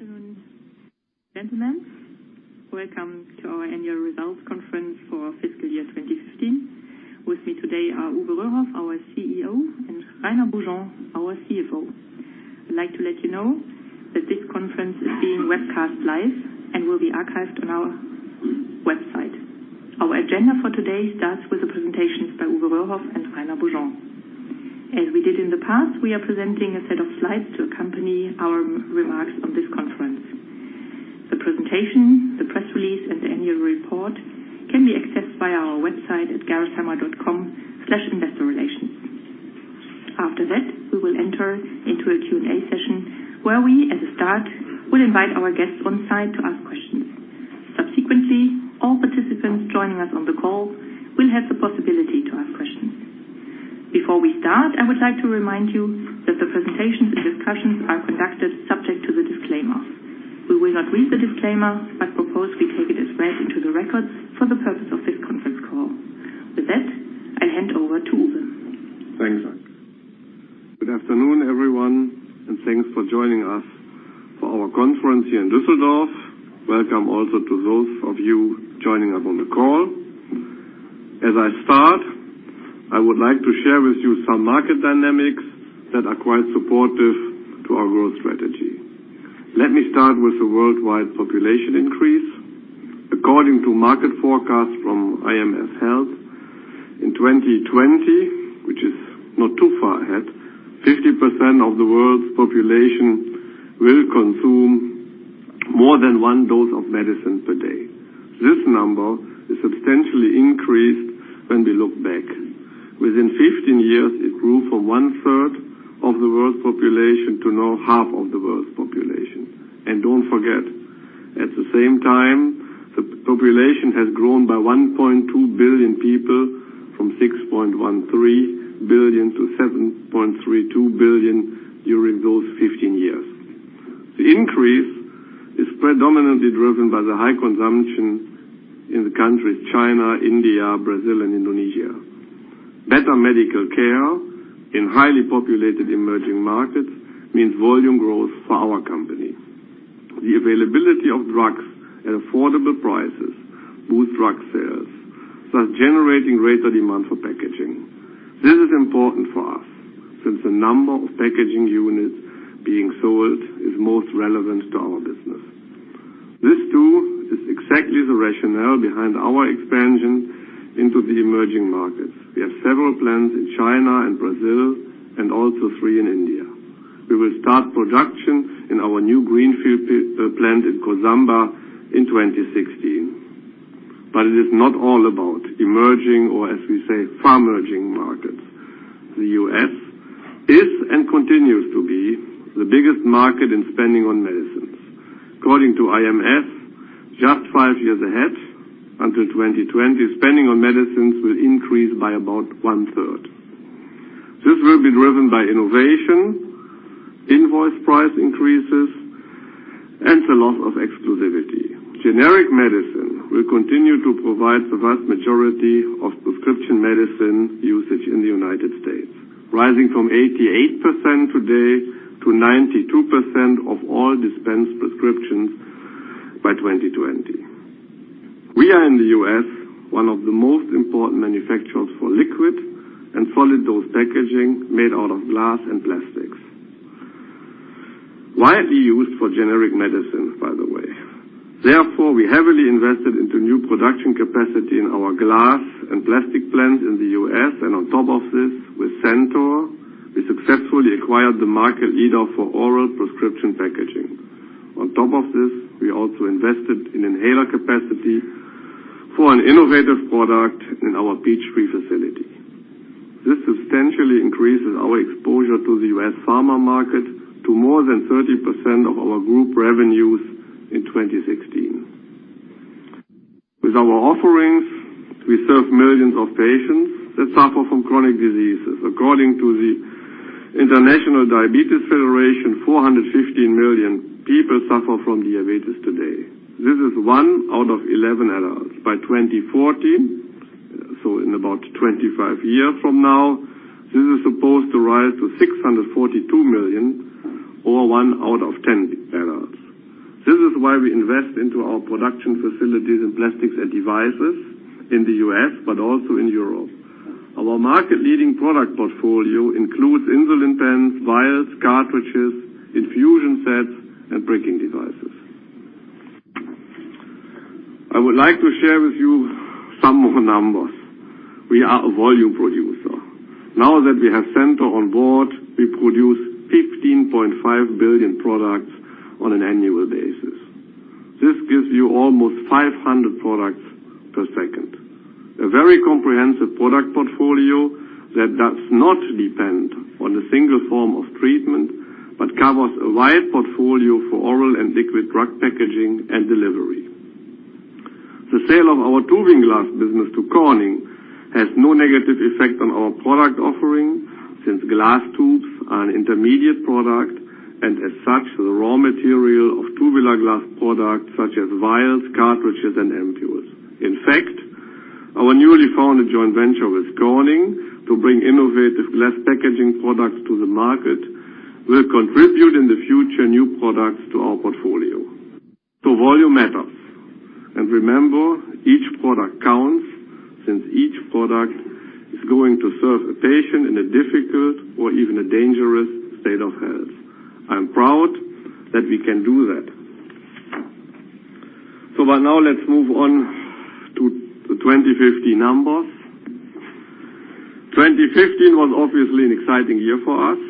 Afternoon, gentlemen. Welcome to our annual results conference for FY 2015. With me today are Uwe Röhrhoff, our CEO, and Rainer Beaujean, our CFO. I would like to let you know that this conference is being webcast live and will be archived on our website. Our agenda for today starts with the presentations by Uwe Röhrhoff and Rainer Beaujean. As we did in the past, we are presenting a set of slides to accompany our remarks on this conference. The presentation, the press release, and the annual report can be accessed via our website at gerresheimer.com/investorrelations. After that, we will enter into a Q&A session where we, at the start, will invite our guests on-site to ask questions. Subsequently, all participants joining us on the call will have the possibility to ask questions. Before we start, I would like to remind you that the presentations and discussions are conducted subject to the disclaimer. We will not read the disclaimer, but propose we take it as read into the records for the purpose of this conference call. With that, I hand over to Uwe. Thanks. Good afternoon, everyone, and thanks for joining us for our conference here in Düsseldorf. Welcome also to those of you joining us on the call. As I start, I would like to share with you some market dynamics that are quite supportive to our growth strategy. Let me start with the worldwide population increase. According to market forecasts from IMS Health, in 2020, which is not too far ahead, 50% of the world's population will consume more than one dose of medicine per day. This number is substantially increased when we look back. Within 15 years, it grew from one third of the world's population to now half of the world's population. And don't forget, at the same time, the population has grown by 1.2 billion people, from 6.13 billion to 7.32 billion during those 15 years. The increase is predominantly driven by the high consumption in the countries China, India, Brazil, and Indonesia. Better medical care in highly populated emerging markets means volume growth for our company. The availability of drugs at affordable prices boost drug sales, thus generating greater demand for packaging. This is important for us, since the number of packaging units being sold is most relevant to our business. This, too, is exactly the rationale behind our expansion into the emerging markets. We have several plants in China and Brazil, and also three in India. We will start production in our new greenfield plant in Kosamba in 2016. It is not all about emerging or, as we say, pharmerging markets. The U.S. is, and continues to be, the biggest market in spending on medicines. According to IMS, just five years ahead, until 2020, spending on medicines will increase by about one third. This will be driven by innovation, invoice price increases, and the loss of exclusivity. Generic medicine will continue to provide the vast majority of prescription medicine usage in the United States, rising from 88% today to 92% of all dispensed prescriptions by 2020. We are, in the U.S., one of the most important manufacturers for liquid and solid dose packaging made out of glass and plastics. Widely used for generic medicines, by the way. Therefore, we heavily invested into new production capacity in our glass and plastic plants in the U.S., and on top of this, with Centor, we successfully acquired the market leader for oral prescription packaging. On top of this, we also invested in inhaler capacity for an innovative product in our Peachtree facility. This substantially increases our exposure to the U.S. pharma market to more than 30% of our group revenues in 2016. With our offerings, we serve millions of patients that suffer from chronic diseases. According to the International Diabetes Federation, 415 million people suffer from diabetes today. This is one out of 11 adults. By 2040, so in about 25 years from now, this is supposed to rise to 642 million or one out of 10 adults. This is why we invest into our production facilities in Plastics and Devices in the U.S., but also in Europe. Our market leading product portfolio includes insulin pens, vials, cartridges, infusion sets, and lancing devices. I would like to share with you some of the numbers. We are a volume producer. Now that we have Centor on board, we produce 15.5 billion products on an annual basis. This gives you almost 500 products per second. A very comprehensive product portfolio that does not depend on a single form of treatment, but covers a wide portfolio for oral and liquid drug packaging and delivery. The sale of our tubing glass business to Corning has no negative effect on our product offering Since glass tubes are an intermediate product, and as such, the raw material of tubular glass products such as vials, cartridges, and ampoules. In fact, our newly founded joint venture with Corning to bring innovative glass packaging products to the market will contribute in the future new products to our portfolio. Volume matters. Remember, each product counts, since each product is going to serve a patient in a difficult or even a dangerous state of health. I am proud that we can do that. By now, let's move on to the 2015 numbers. 2015 was obviously an exciting year for us.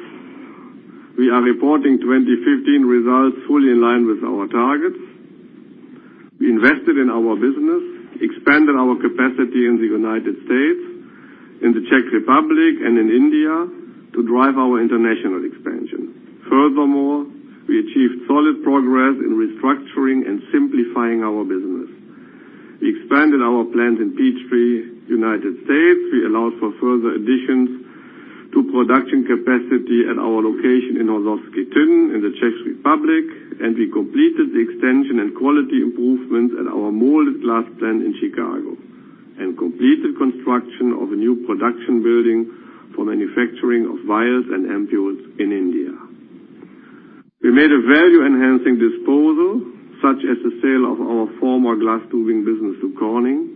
We are reporting 2015 results fully in line with our targets. We invested in our business, expanded our capacity in the United States, in the Czech Republic, and in India to drive our international expansion. Furthermore, we achieved solid progress in restructuring and simplifying our business. We expanded our plant in Peachtree, United States. We allowed for further additions to production capacity at our location in Oloví, in the Czech Republic, and we completed the extension and quality improvements at our molded glass plant in Chicago, and completed construction of a new production building for manufacturing of vials and ampoules in India. We made a value-enhancing disposal, such as the sale of our former glass tubing business to Corning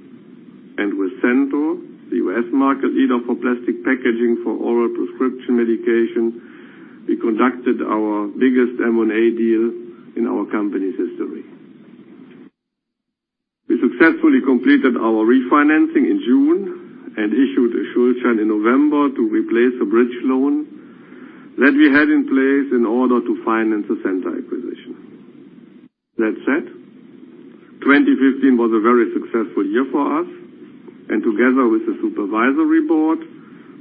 and with Centor, the U.S. market leader for plastic packaging for oral prescription medication. We conducted our biggest M&A deal in our company's history. We successfully completed our refinancing in June and issued a Schuldschein in November to replace a bridge loan that we had in place in order to finance the Centor acquisition. That said, 2015 was a very successful year for us, and together with the Supervisory Board Report,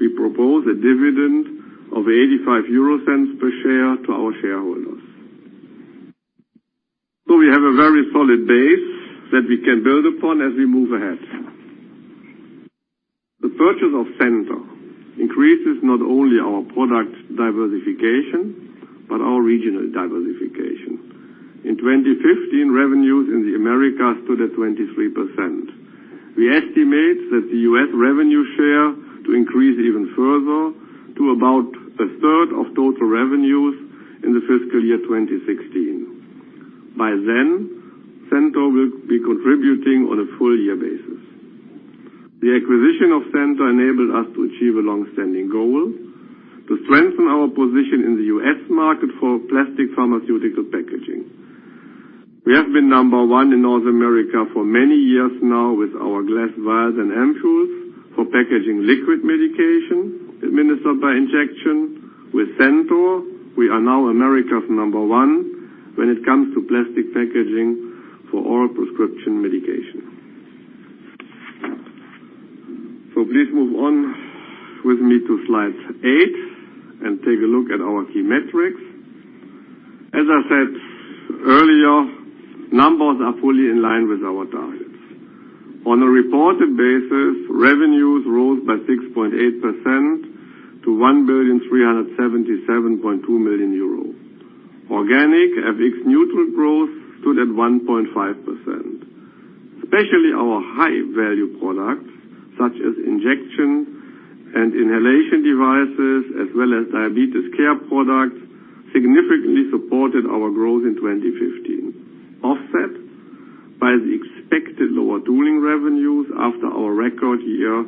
we propose a dividend of 0.85 per share to our shareholders. We have a very solid base that we can build upon as we move ahead. The purchase of Centor increases not only our product diversification, but our regional diversification. In 2015, revenues in the Americas stood at 23%. We estimate that the U.S. revenue share to increase even further to about a third of total revenues in the fiscal year 2016. By then, Centor will be contributing on a full year basis. The acquisition of Centor enabled us to achieve a long-standing goal: to strengthen our position in the U.S. market for plastic pharmaceutical packaging. We have been number one in North America for many years now with our glass vials and ampoules for packaging liquid medication administered by injection. With Centor, we are now America's number one when it comes to plastic packaging for oral prescription medication. Please move on with me to slide eight and take a look at our key metrics. As I said earlier, numbers are fully in line with our targets. On a reported basis, revenues rose by 6.8% to 1,377.2 million euro. Organic FX neutral growth stood at 1.5%. Especially our high-value products, such as injection and inhalation devices, as well as diabetes care products, significantly supported our growth in 2015, offset by the expected lower tooling revenues after our record year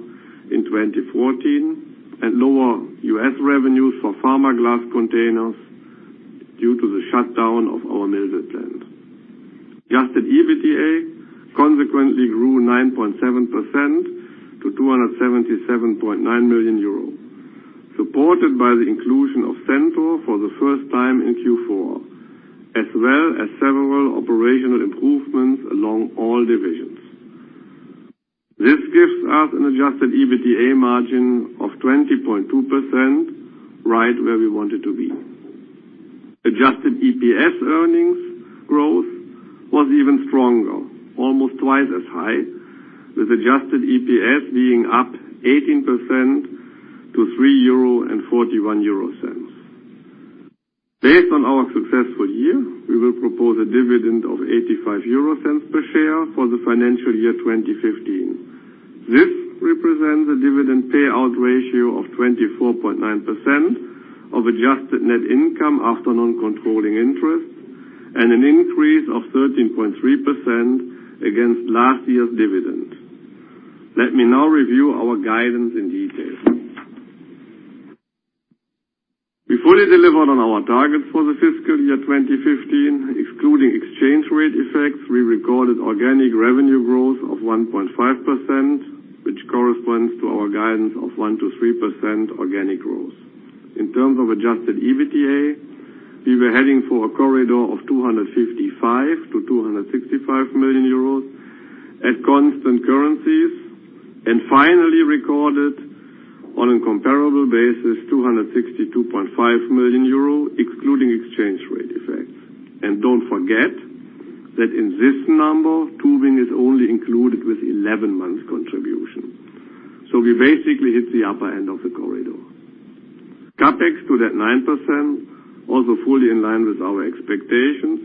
in 2014 and lower U.S. revenues for pharma glass containers due to the shutdown of our Millville plant. Adjusted EBITDA consequently grew 9.7% to 277.9 million euro, supported by the inclusion of Centor for the first time in Q4, as well as several operational improvements along all divisions. This gives us an adjusted EBITDA margin of 20.2%, right where we want it to be. Adjusted EPS earnings growth was even stronger, almost twice as high, with adjusted EPS being up 18% to 3.41 euro. Based on our successful year, we will propose a dividend of 0.85 per share for the financial year 2015. This represents a dividend payout ratio of 24.9% of adjusted net income after non-controlling interest and an increase of 13.3% against last year's dividend. Let me now review our guidance in detail. We fully delivered on our targets for the fiscal year 2015. Excluding exchange rate effects, we recorded organic revenue growth of 1.5%, which corresponds to our guidance of 1%-3% organic growth. In terms of adjusted EBITDA, we were heading for a corridor of 255 million-265 million euros at constant currencies, and finally recorded on a comparable basis, 262.5 million euro, excluding exchange rate effects. Don't forget that in this number, tubing is only included with 11 months contribution. We basically hit the upper end of the corridor. CapEx to that 9%, also fully in line with our expectations,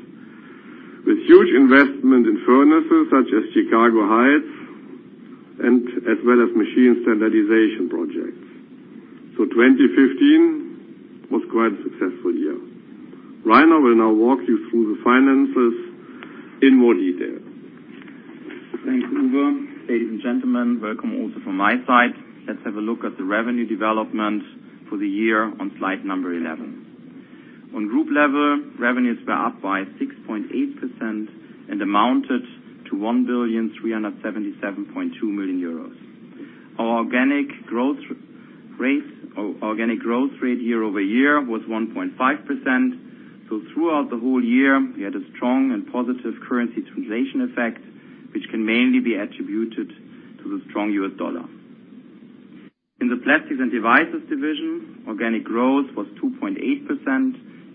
with huge investment in furnaces such as Chicago Heights, and as well as machine standardization projects. 2015 was quite a successful year. Rainer will now walk you through the finances in more detail. Thank you, Uwe. Ladies and gentlemen, welcome also from my side. Let's have a look at the revenue development for the year on slide number 11. On group level, revenues were up by 6.8% and amounted to 1,377.2 million euros. Our organic growth rate year-over-year was 1.5%. Throughout the whole year, we had a strong and positive currency translation effect, which can mainly be attributed to the strong US dollar. In the Plastics and Devices division, organic growth was 2.8%,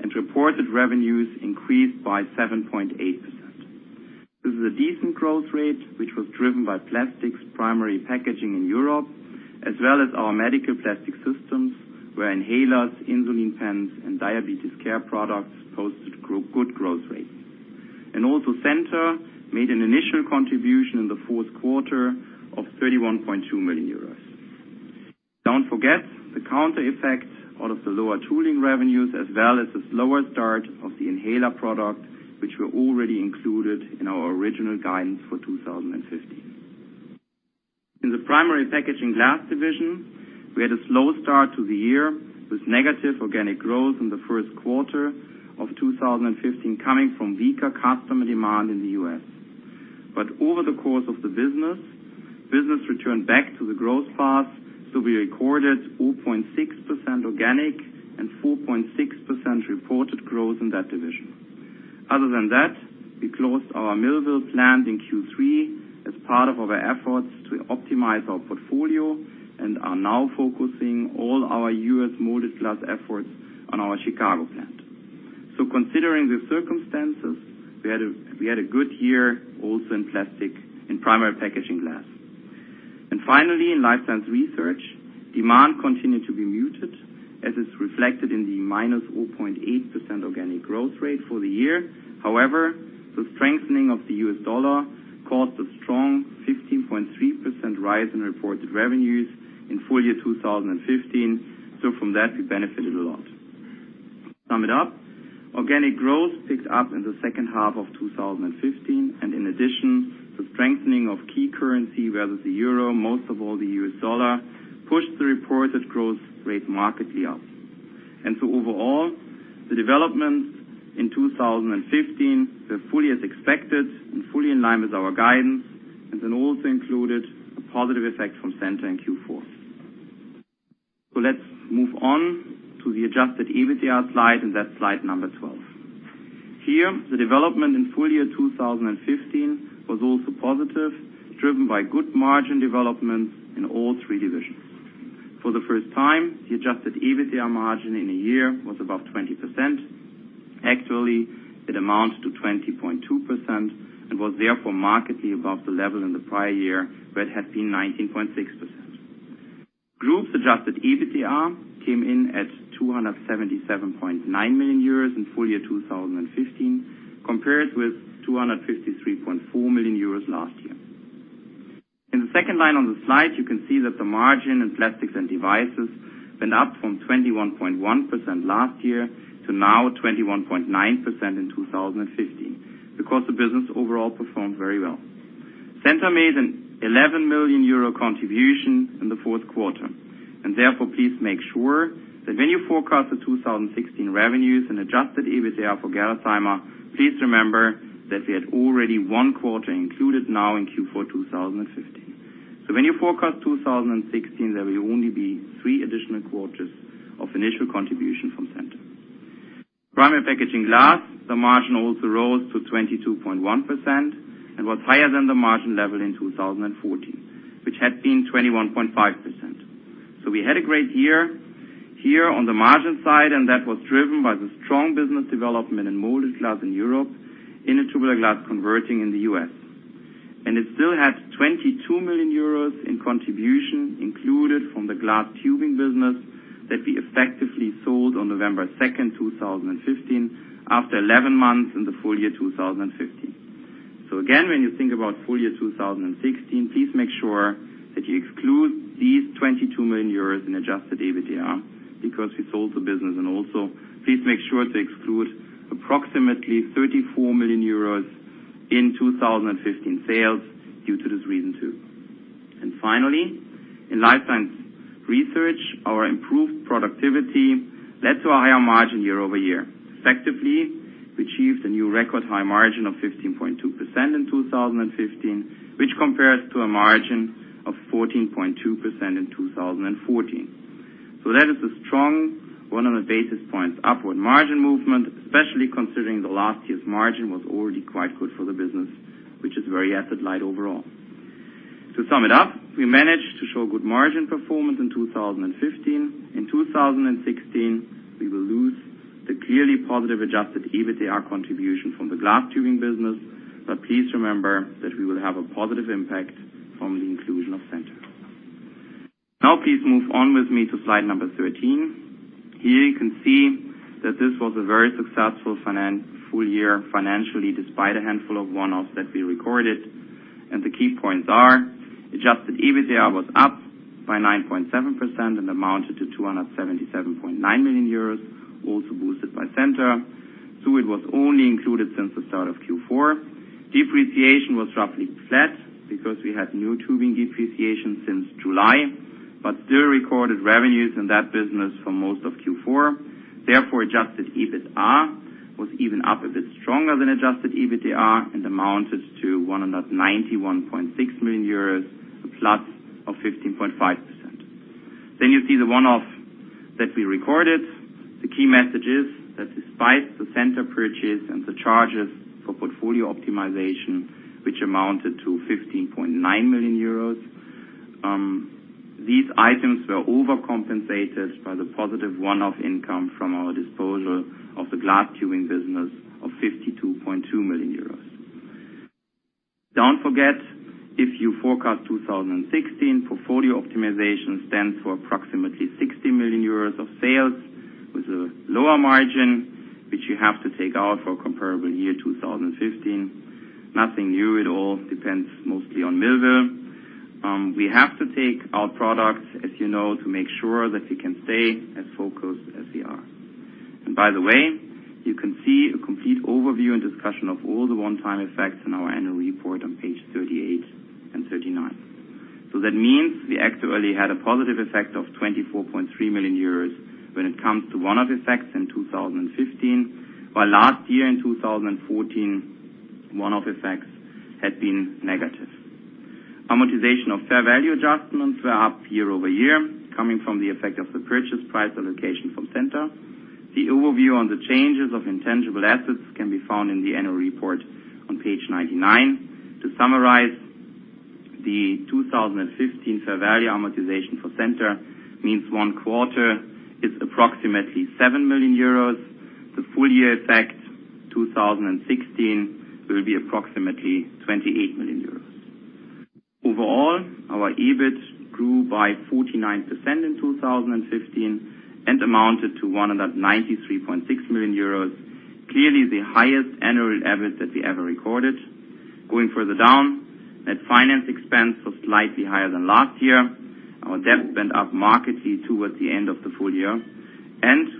and reported revenues increased by 7.8%. This is a decent growth rate, which was driven by plastics primary packaging in Europe, as well as our medical plastic systems, where inhalers, insulin pens, and diabetes care products posted good growth rates. Also Centor made an initial contribution in the fourth quarter of 31.2 million euros. Don't forget the counter effect out of the lower tooling revenues as well as the slower start of the inhaler product, which were already included in our original guidance for 2015. In the Primary Packaging Glass division, we had a slow start to the year with negative organic growth in the first quarter of 2015 coming from weaker customer demand in the U.S. Over the course of the business returned back to the growth path. We recorded 0.6% organic and 4.6% reported growth in that division. Other than that, we closed our Millville plant in Q3 as part of our efforts to optimize our portfolio and are now focusing all our U.S. molded glass efforts on our Chicago plant. Considering the circumstances, we had a good year also in Primary Packaging Glass. Finally, in Life Science Research, demand continued to be muted, as is reflected in the -0.8% organic growth rate for the year. However, the strengthening of the US dollar caused a strong 15.3% rise in reported revenues in full year 2015. From that, we benefited a lot. To sum it up, organic growth picked up in the second half of 2015. In addition, the strengthening of key currency, with the euro, most of all the US dollar, pushed the reported growth rate markedly up. Overall, the developments in 2015 were fully as expected and fully in line with our guidance, and then also included a positive effect from Centor in Q4. Let's move on to the adjusted EBITDA slide and that's slide number 12. Here, the development in full year 2015 was also positive, driven by good margin developments in all three divisions. For the first time, the adjusted EBITDA margin in a year was above 20%. Actually, it amounts to 20.2% and was therefore markedly above the level in the prior year, where it had been 19.6%. Group's adjusted EBITDA came in at 277.9 million euros in full year 2015, compared with 253.4 million euros last year. In the second line on the slide, you can see that the margin in Plastics and Devices went up from 21.1% last year to now 21.9% in 2015, because the business overall performed very well. Centor made an 11 million euro contribution in the fourth quarter. Therefore, please make sure that when you forecast the 2016 revenues and adjusted EBITDA for Gerresheimer, please remember that we had already one quarter included now in Q4 2015. When you forecast 2016, there will only be three additional quarters of initial contribution from Centor. Primary Packaging Glass, the margin also rose to 22.1% and was higher than the margin level in 2014, which had been 21.5%. We had a great year here on the margin side, and that was driven by the strong business development in molded glass in Europe and in tubular glass converting in the U.S. It still had 22 million euros in contribution included from the glass tubing business that we effectively sold on November 2nd, 2015, after 11 months in the full year 2015. Again, when you think about full year 2016, please make sure that you exclude these 22 million euros in adjusted EBITDA because we sold the business and also please make sure to exclude approximately 34 million euros in 2015 sales due to this reason, too. Finally, in Life Science Research, our improved productivity led to a higher margin year-over-year. Effectively, we achieved a new record high margin of 15.2% in 2015, which compares to a margin of 14.2% in 2014. That is a strong 100 basis points upward margin movement, especially considering that last year's margin was already quite good for the business, which is very asset light overall. To sum it up, we managed to show good margin performance in 2015. In 2016, we will lose the clearly positive adjusted EBITDA contribution from the glass tubing business. Please remember that we will have a positive impact from the inclusion of Centor. Please move on with me to slide number 13. Here you can see that this was a very successful full year financially, despite a handful of one-offs that we recorded. The key points are, adjusted EBITDA was up by 9.7% and amounted to 277.9 million euros, also boosted by Centor. It was only included since the start of Q4. Depreciation was roughly flat because we had no tubing depreciation since July, but still recorded revenues in that business for most of Q4. Therefore, adjusted EBITA was even up a bit stronger than adjusted EBITDA and amounted to 191.6 million euros, a plus of 15.5%. You see the one-off that we recorded. The key message is that despite the Centor purchase and the charges for portfolio optimization, which amounted to 15.9 million euros, these items were overcompensated by the positive one-off income from our disposal of the glass tubing business of 52.2 million euros. Don't forget, if you forecast 2016, portfolio optimization stands for approximately 60 million euros of sales with a lower margin, which you have to take out for comparable year 2015. Nothing new. It all depends mostly on Millville. By the way, you can see a complete overview and discussion of all the one-off effects in our annual report on page 38 and 39. That means we actually had a positive effect of 24.3 million euros when it comes to one-off effects in 2015. While last year, in 2014, one-off effects had been negative. Amortization of fair value adjustments were up year-over-year, coming from the effect of the purchase price allocation from Centor. The overview on the changes of intangible assets can be found in the annual report on page 99. To summarize, the 2015 fair value amortization for Centor means one quarter is approximately 7 million euros. The full year effect, 2016, will be approximately 28 million euros. Overall, our EBIT grew by 49% in 2015 and amounted to 193.6 million euros. Clearly the highest annual EBIT that we ever recorded. Going further down, net finance expense was slightly higher than last year. Our debt went up markedly towards the end of the full year.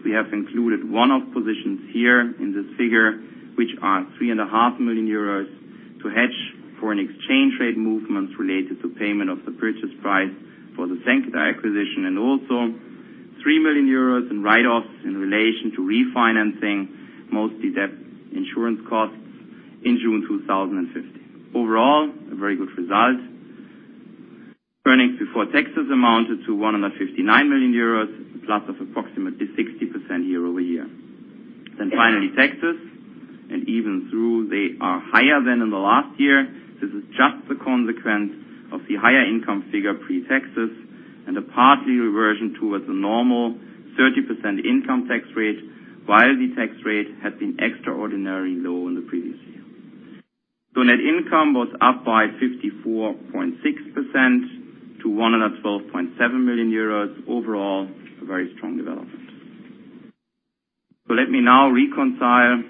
We have included one-off positions here in this figure, which are 3.5 million euros to hedge for an exchange rate movement related to payment of the purchase price for the Centor acquisition, and also 3 million euros in write-offs in relation to refinancing mostly debt issuance costs in June 2015. Overall, a very good result. Earnings before taxes amounted to 159 million euros, a plus of approximately 60% year-over-year. Finally, taxes. Even though they are higher than in the last year, this is just the consequence of the higher income figure pre-taxes and a partly reversion towards a normal 30% income tax rate, while the tax rate had been extraordinarily low in the previous year. Net income was up by 54.6% to 112.7 million euros. Overall, a very strong development. Let me now reconcile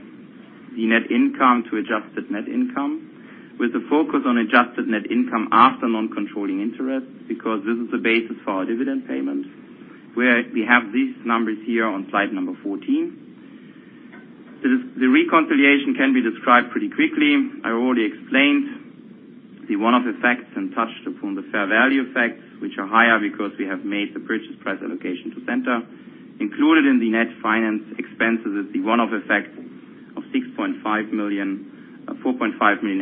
the net income to adjusted net income with a focus on adjusted net income after non-controlling interest, because this is the basis for our dividend payment, where we have these numbers here on slide 14. The reconciliation can be described pretty quickly. I already explained the one-off effects and touched upon the fair value effects, which are higher because we have made the purchase price allocation to Centor. Included in the net finance expenses is the one-off effect of 4.5 million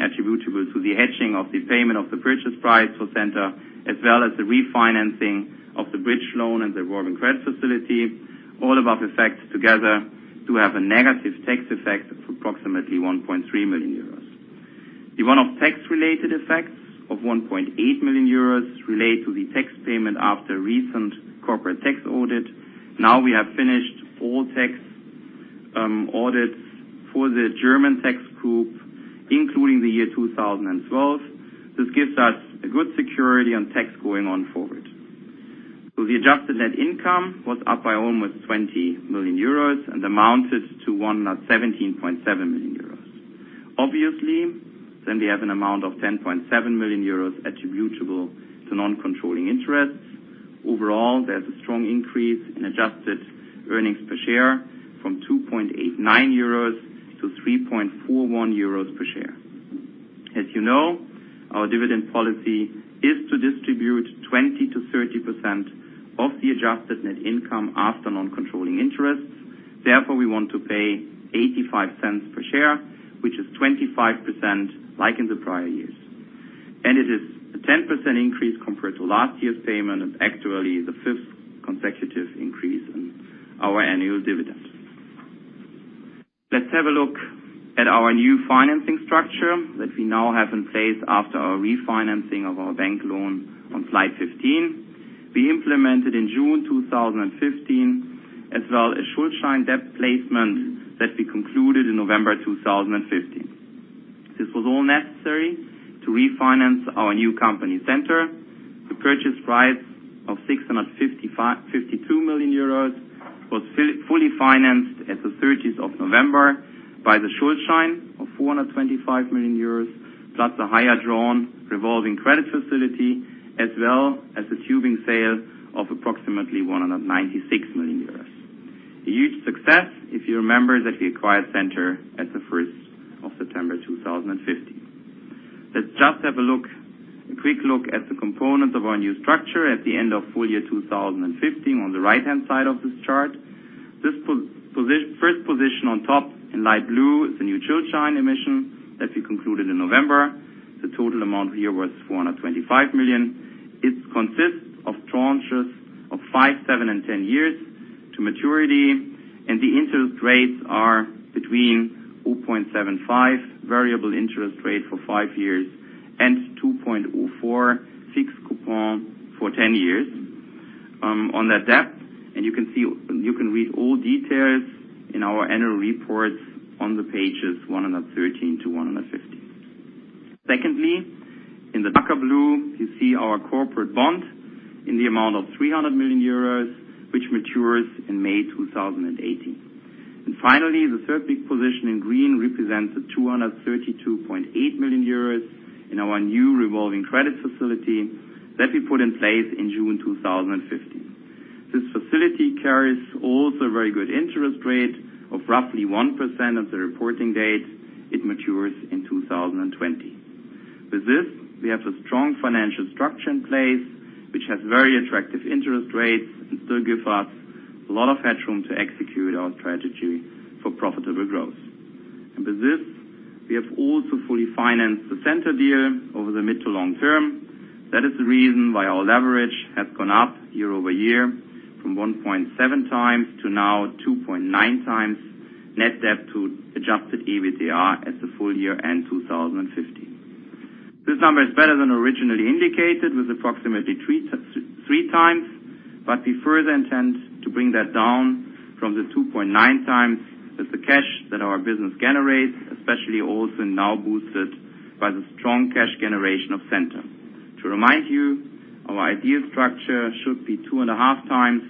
attributable to the hedging of the payment of the purchase price for Centor, as well as the refinancing of the bridge loan and the revolving credit facility. All of our effects together do have a negative tax effect of approximately 1.3 million euros. The one-off tax-related effects of 1.8 million euros relate to the tax payment after recent corporate tax audit. We have finished all tax audits for the German tax group, including the year 2012. This gives us a good security on tax going on forward. The adjusted net income was up by almost 20 million euros and amounted to 117.7 million euros. Obviously, then we have an amount of 10.7 million euros attributable to non-controlling interests. Overall, there's a strong increase in adjusted earnings per share from 2.89 euros to 3.41 euros per share. As you know, our dividend policy is to distribute 20%-30% of the adjusted net income after non-controlling interests. Therefore, we want to pay 0.85 per share, which is 25% like in the prior years. It is a 10% increase compared to last year's payment, and actually the fifth consecutive increase in our annual dividend. Let's have a look at our new financing structure that we now have in place after our refinancing of our bank loan on slide 15. We implemented in June 2015, as well as Schuldschein debt placement that we concluded in November 2015. This was all necessary to refinance our new company, Centor. The purchase price of 652 million euros was fully financed as of 30th of November by the Schuldschein of 425 million euros, plus the higher drawn revolving credit facility, as well as the tubing sale of approximately 196 million euros. A huge success, if you remember that we acquired Centor as of 1st of September 2015. Let's just have a quick look at the components of our new structure at the end of full year 2015 on the right-hand side of this chart. This first position on top in light blue is the new Schuldschein emission that we concluded in November. The total amount here was 425 million. It consists of tranches of five, seven, and 10 years to maturity, the interest rates are between 0.75 variable interest rate for five years and 2.04 fixed coupon for 10 years on that debt. You can read all details in our annual reports on the pages 113 to 115. Secondly, in the darker blue, you see our corporate bond in the amount of 300 million euros, which matures in May 2018. Finally, the third big position in green represents the 232.8 million euros in our new revolving credit facility that we put in place in June 2015. This facility carries also very good interest rate of roughly 1% of the reporting date. It matures in 2020. With this, we have a strong financial structure in place, which has very attractive interest rates and still give us a lot of headroom to execute our strategy for profitable growth. With this, we have also fully financed the Centor deal over the mid to long-term. That is the reason why our leverage has gone up year-over-year from 1.7 times to now 2.9 times net debt to adjusted EBITDA as of full year-end 2015. This number is better than originally indicated with approximately three times, we further intend to bring that down from the 2.9 times with the cash that our business generates, especially also now boosted by the strong cash generation of Centor. To remind you, our ideal structure should be two and a half times,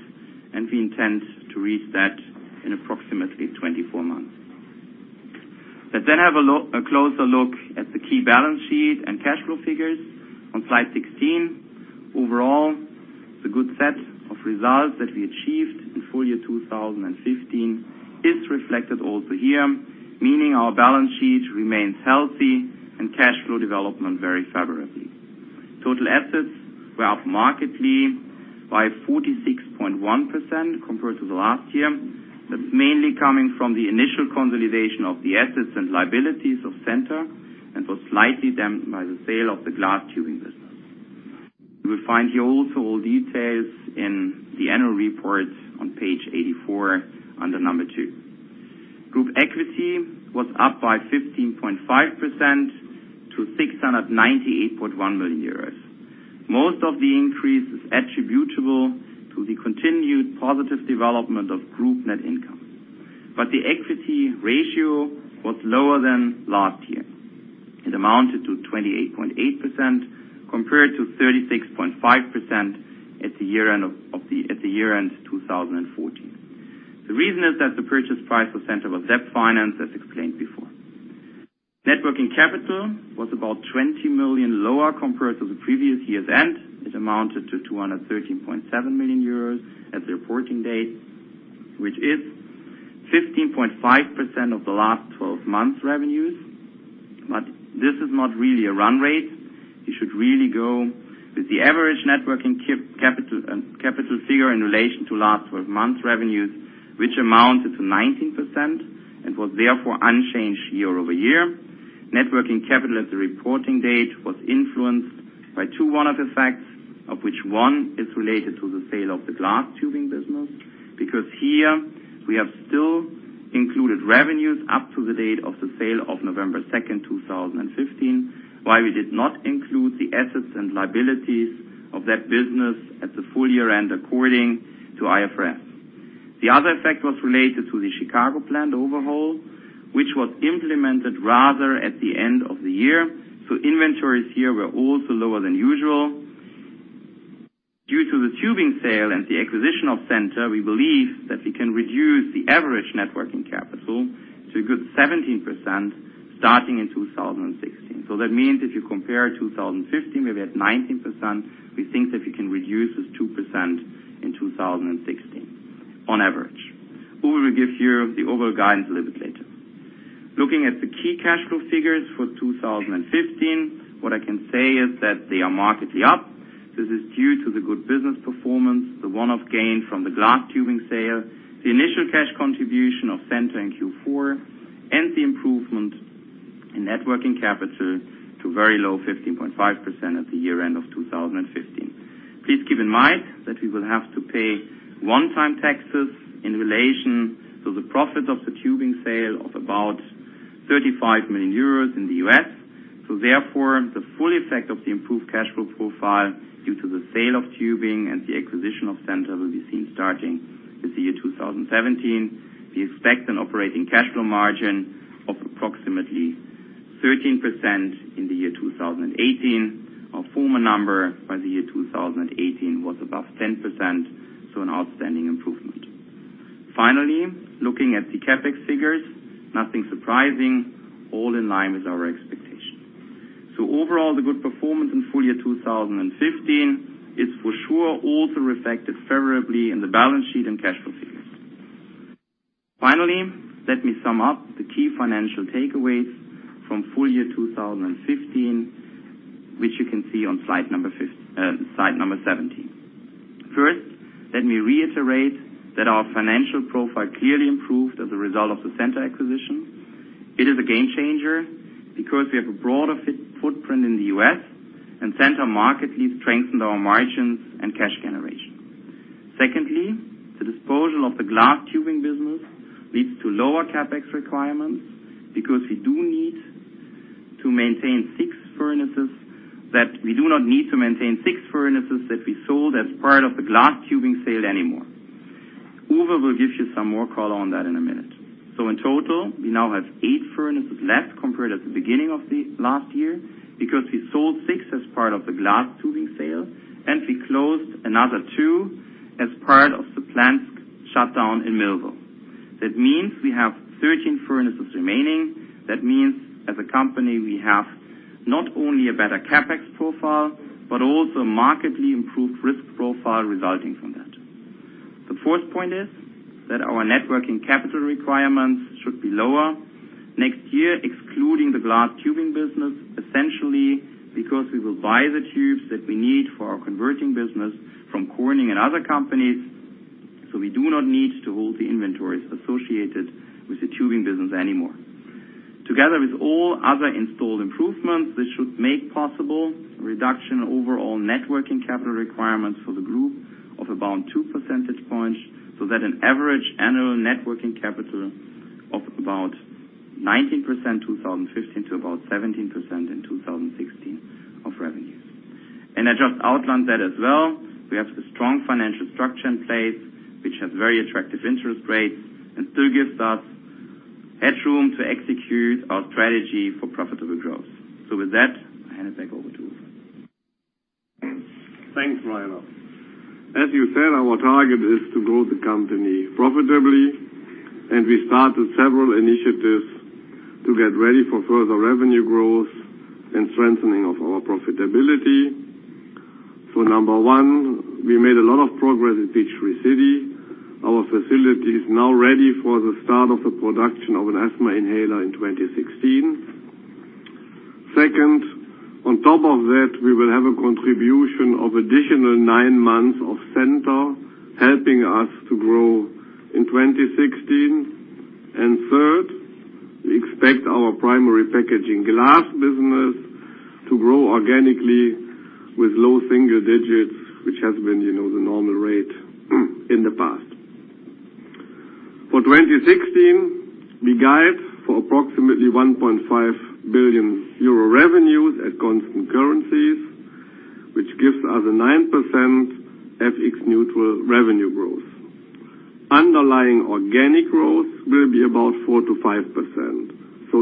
we intend to reach that in approximately 24 months. Let's have a closer look at the key balance sheet and cash flow figures on slide 16. Overall, the good set of results that we achieved in full year 2015 is reflected also here, meaning our balance sheet remains healthy and cash flow development very favorably. Total assets were up markedly by 46.1% compared to the last year. That's mainly coming from the initial consolidation of the assets and liabilities of Centor, and was slightly damped by the sale of the glass tubing business. You will find here also all details in the annual report on page 84 under number 2. Group equity was up by 15.5% to 698.1 million euros. Most of the increase is attributable to the continued positive development of group net income. The equity ratio was lower than last year. It amounted to 28.8% compared to 36.5% at the year-end 2014. The reason is that the purchase price for Centor was debt financed, as explained before. Net working capital was about 20 million lower compared to the previous year's end. It amounted to 213.7 million euros at the reporting date, which is 15.5% of the last 12 months revenues. This is not really a run rate. You should really go with the average net working capital figure in relation to last 12 months revenues, which amounted to 19% and was therefore unchanged year-over-year. Net working capital at the reporting date was influenced by two one-off effects, of which one is related to the sale of the glass tubing business, because here we have still included revenues up to the date of the sale of November 2nd, 2015, while we did not include the assets and liabilities of that business at the full year-end, according to IFRS. The other effect was related to the Chicago plant overhaul, which was implemented rather at the end of the year, so inventories here were also lower than usual. Due to the tubing sale and the acquisition of Centor, we believe that we can reduce the average net working capital to a good 17%, starting in 2016. That means if you compare 2015, where we're at 19%, we think that we can reduce this 2% in 2016 on average. We will give here the overall guidance a little bit later. Looking at the key cash flow figures for 2015, what I can say is that they are markedly up. This is due to the good business performance, the one-off gain from the glass tubing sale, the initial cash contribution of Centor in Q4, and the improvement in net working capital to a very low 15.5% at the year-end of 2015. Please keep in mind that we will have to pay one-time taxes in relation to the profit of the tubing sale of about 35 million euros in the U.S. Therefore, the full effect of the improved cash flow profile due to the sale of tubing and the acquisition of Centor will be seen starting with the year 2017. We expect an operating cash flow margin of approximately 13% in the year 2018. Our former number by the year 2018 was above 10%, an outstanding improvement. Finally, looking at the CapEx figures, nothing surprising, all in line with our expectation. Overall, the good performance in full year 2015 is for sure also reflected favorably in the balance sheet and cash flow figures. Finally, let me sum up the key financial takeaways from full year 2015, which you can see on slide number 17. First, let me reiterate that our financial profile clearly improved as a result of the Centor acquisition. It is a game changer, because we have a broader footprint in the U.S., and Centor markedly strengthened our margins and cash generation. The disposal of the glass tubing business leads to lower CapEx requirements, because we do not need to maintain six furnaces that we sold as part of the glass tubing sale anymore. Uwe will give you some more color on that in a minute. In total, we now have eight furnaces left compared at the beginning of last year, because we sold six as part of the glass tubing sale, and we closed another two as part of the plant shutdown in Millville. That means we have 13 furnaces remaining. That means as a company, we have not only a better CapEx profile, but also markedly improved risk profile resulting from that. The fourth point is that our net working capital requirements should be lower next year, excluding the glass tubing business, essentially because we will buy the tubes that we need for our converting business from Corning and other companies. We do not need to hold the inventories associated with the tubing business anymore. Together with all other installed improvements, this should make possible a reduction in overall net working capital requirements for the group of about two percentage points, so that an average annual net working capital of about 19% 2015 to about 17% in 2016 of revenue. I just outlined that as well, we have the strong financial structure in place, which has very attractive interest rates and still gives us headroom to execute our strategy for profitable growth. With that, I hand it back over to Uwe. Thanks, Rainer. As you said, our target is to grow the company profitably. We started several initiatives to get ready for further revenue growth and strengthening of our profitability. Number 1, we made a lot of progress in Peachtree City. Our facility is now ready for the start of the production of an asthma inhaler in 2016. On top of that, we will have a contribution of additional nine months of Centor helping us to grow in 2016. Third, we expect our Primary Packaging Glass business to grow organically with low single digits, which has been the normal rate in the past. For 2016, we guide for approximately 1.5 billion euro revenues at constant currencies, which gives us a 9% FX-neutral revenue growth. Underlying organic growth will be about 4%-5%.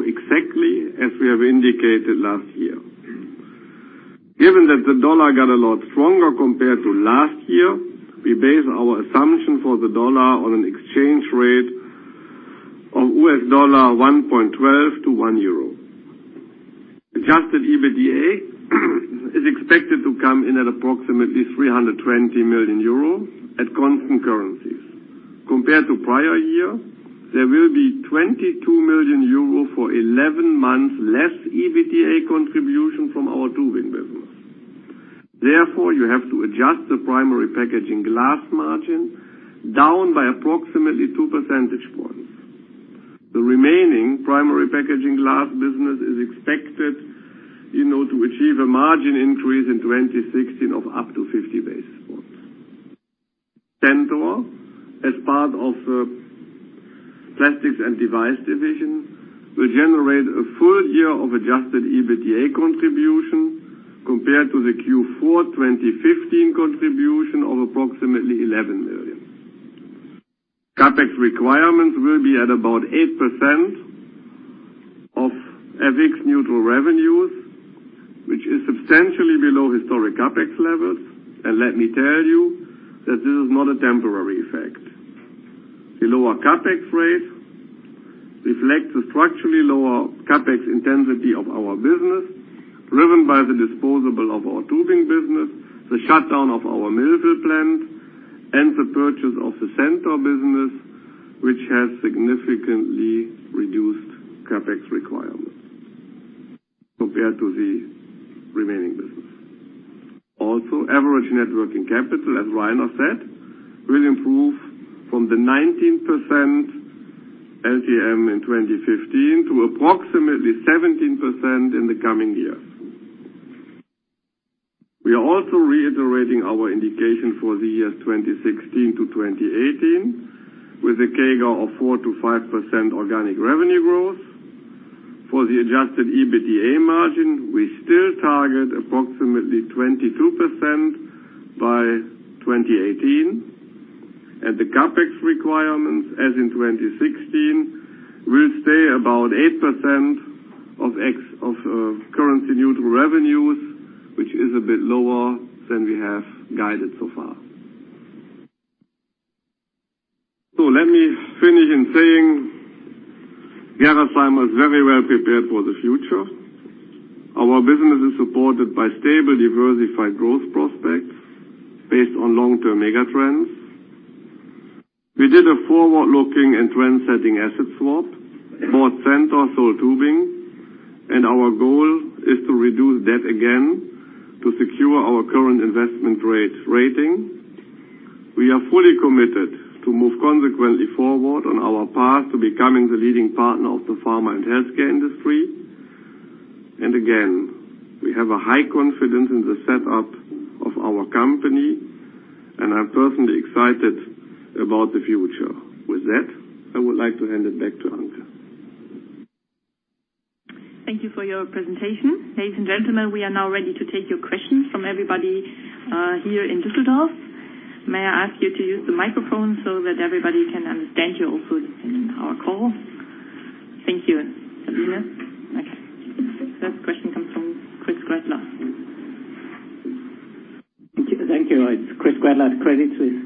Exactly as we have indicated last year. Given that the dollar got a lot stronger compared to last year, we base our assumption for the dollar on an exchange rate of US dollar 1.12 to 1 euro. Adjusted EBITDA is expected to come in at approximately 320 million euro at constant currencies. Compared to prior year, there will be 22 million euro for 11 months less EBITDA contribution from our tubing business. Therefore, you have to adjust the Primary Packaging Glass margin down by approximately two percentage points. The remaining Primary Packaging Glass business is expected to achieve a margin increase in 2016 of up to 50 basis points. Centor, as part of the Plastics and Devices division, will generate a full year of adjusted EBITDA contribution compared to the Q4 2015 contribution of approximately 11 million. CapEx requirements will be at about 8% of FX neutral revenues, which is substantially below historic CapEx levels. Let me tell you that this is not a temporary effect. The lower CapEx rate reflects the structurally lower CapEx intensity of our business, driven by the disposal of our tubing business, the shutdown of our Millville plant, and the purchase of the Centor business, which has significantly reduced CapEx requirements compared to the remaining business. Also, average net working capital, as Rainer said, will improve from the 19% LTM in 2015 to approximately 17% in the coming year. We are also reiterating our indication for the years 2016 to 2018, with a CAGR of 4%-5% organic revenue growth. For the adjusted EBITDA margin, we still target approximately 22% by 2018, and the CapEx requirements, as in 2016, will stay about 8% of currency-neutral revenues, which is a bit lower than we have guided so far. Let me finish in saying Gerresheimer is very well prepared for the future. Our business is supported by stable, diversified growth prospects based on long-term mega trends. We did a forward-looking and trend-setting asset swap. Bought Centor, sold tubing, our goal is to reduce debt again to secure our current investment rating. We are fully committed to move consequently forward on our path to becoming the leading partner of the pharma and healthcare industry. Again, we have a high confidence in the setup of our company, and I'm personally excited about the future. With that, I would like to hand it back to Anke. Thank you for your presentation. Ladies and gentlemen, we are now ready to take your questions from everybody here in Düsseldorf. May I ask you to use the microphone so that everybody can understand you also in our call. Thank you, Sabina. First question comes from Christoph Gretler. Thank you. It's Christoph Gretler, Credit Suisse.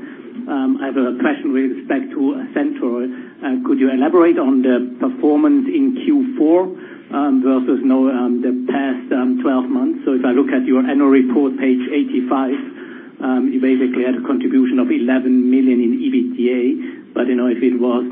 I have a question with respect to Centor. Could you elaborate on the performance in Q4 versus the past 12 months? If I look at your annual report, page 85, you basically had a contribution of 11 million in EBITDA. If it was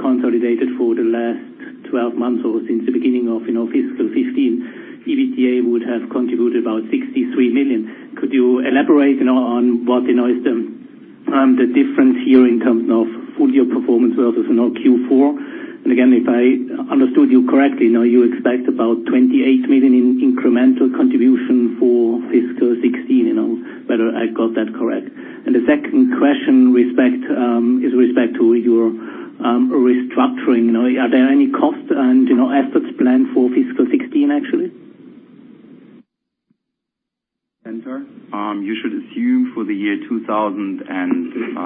consolidated for the last 12 months or since the beginning of fiscal 2015, EBITDA would have contributed about 63 million. Could you elaborate on what is the difference here in terms of full-year performance versus Q4? Again, if I understood you correctly, you expect about 28 million in incremental contribution for fiscal 2016, whether I got that correct. The second question is with respect to your restructuring. Are there any costs and assets planned for fiscal 2016, actually? Centor. You should assume for the year 2016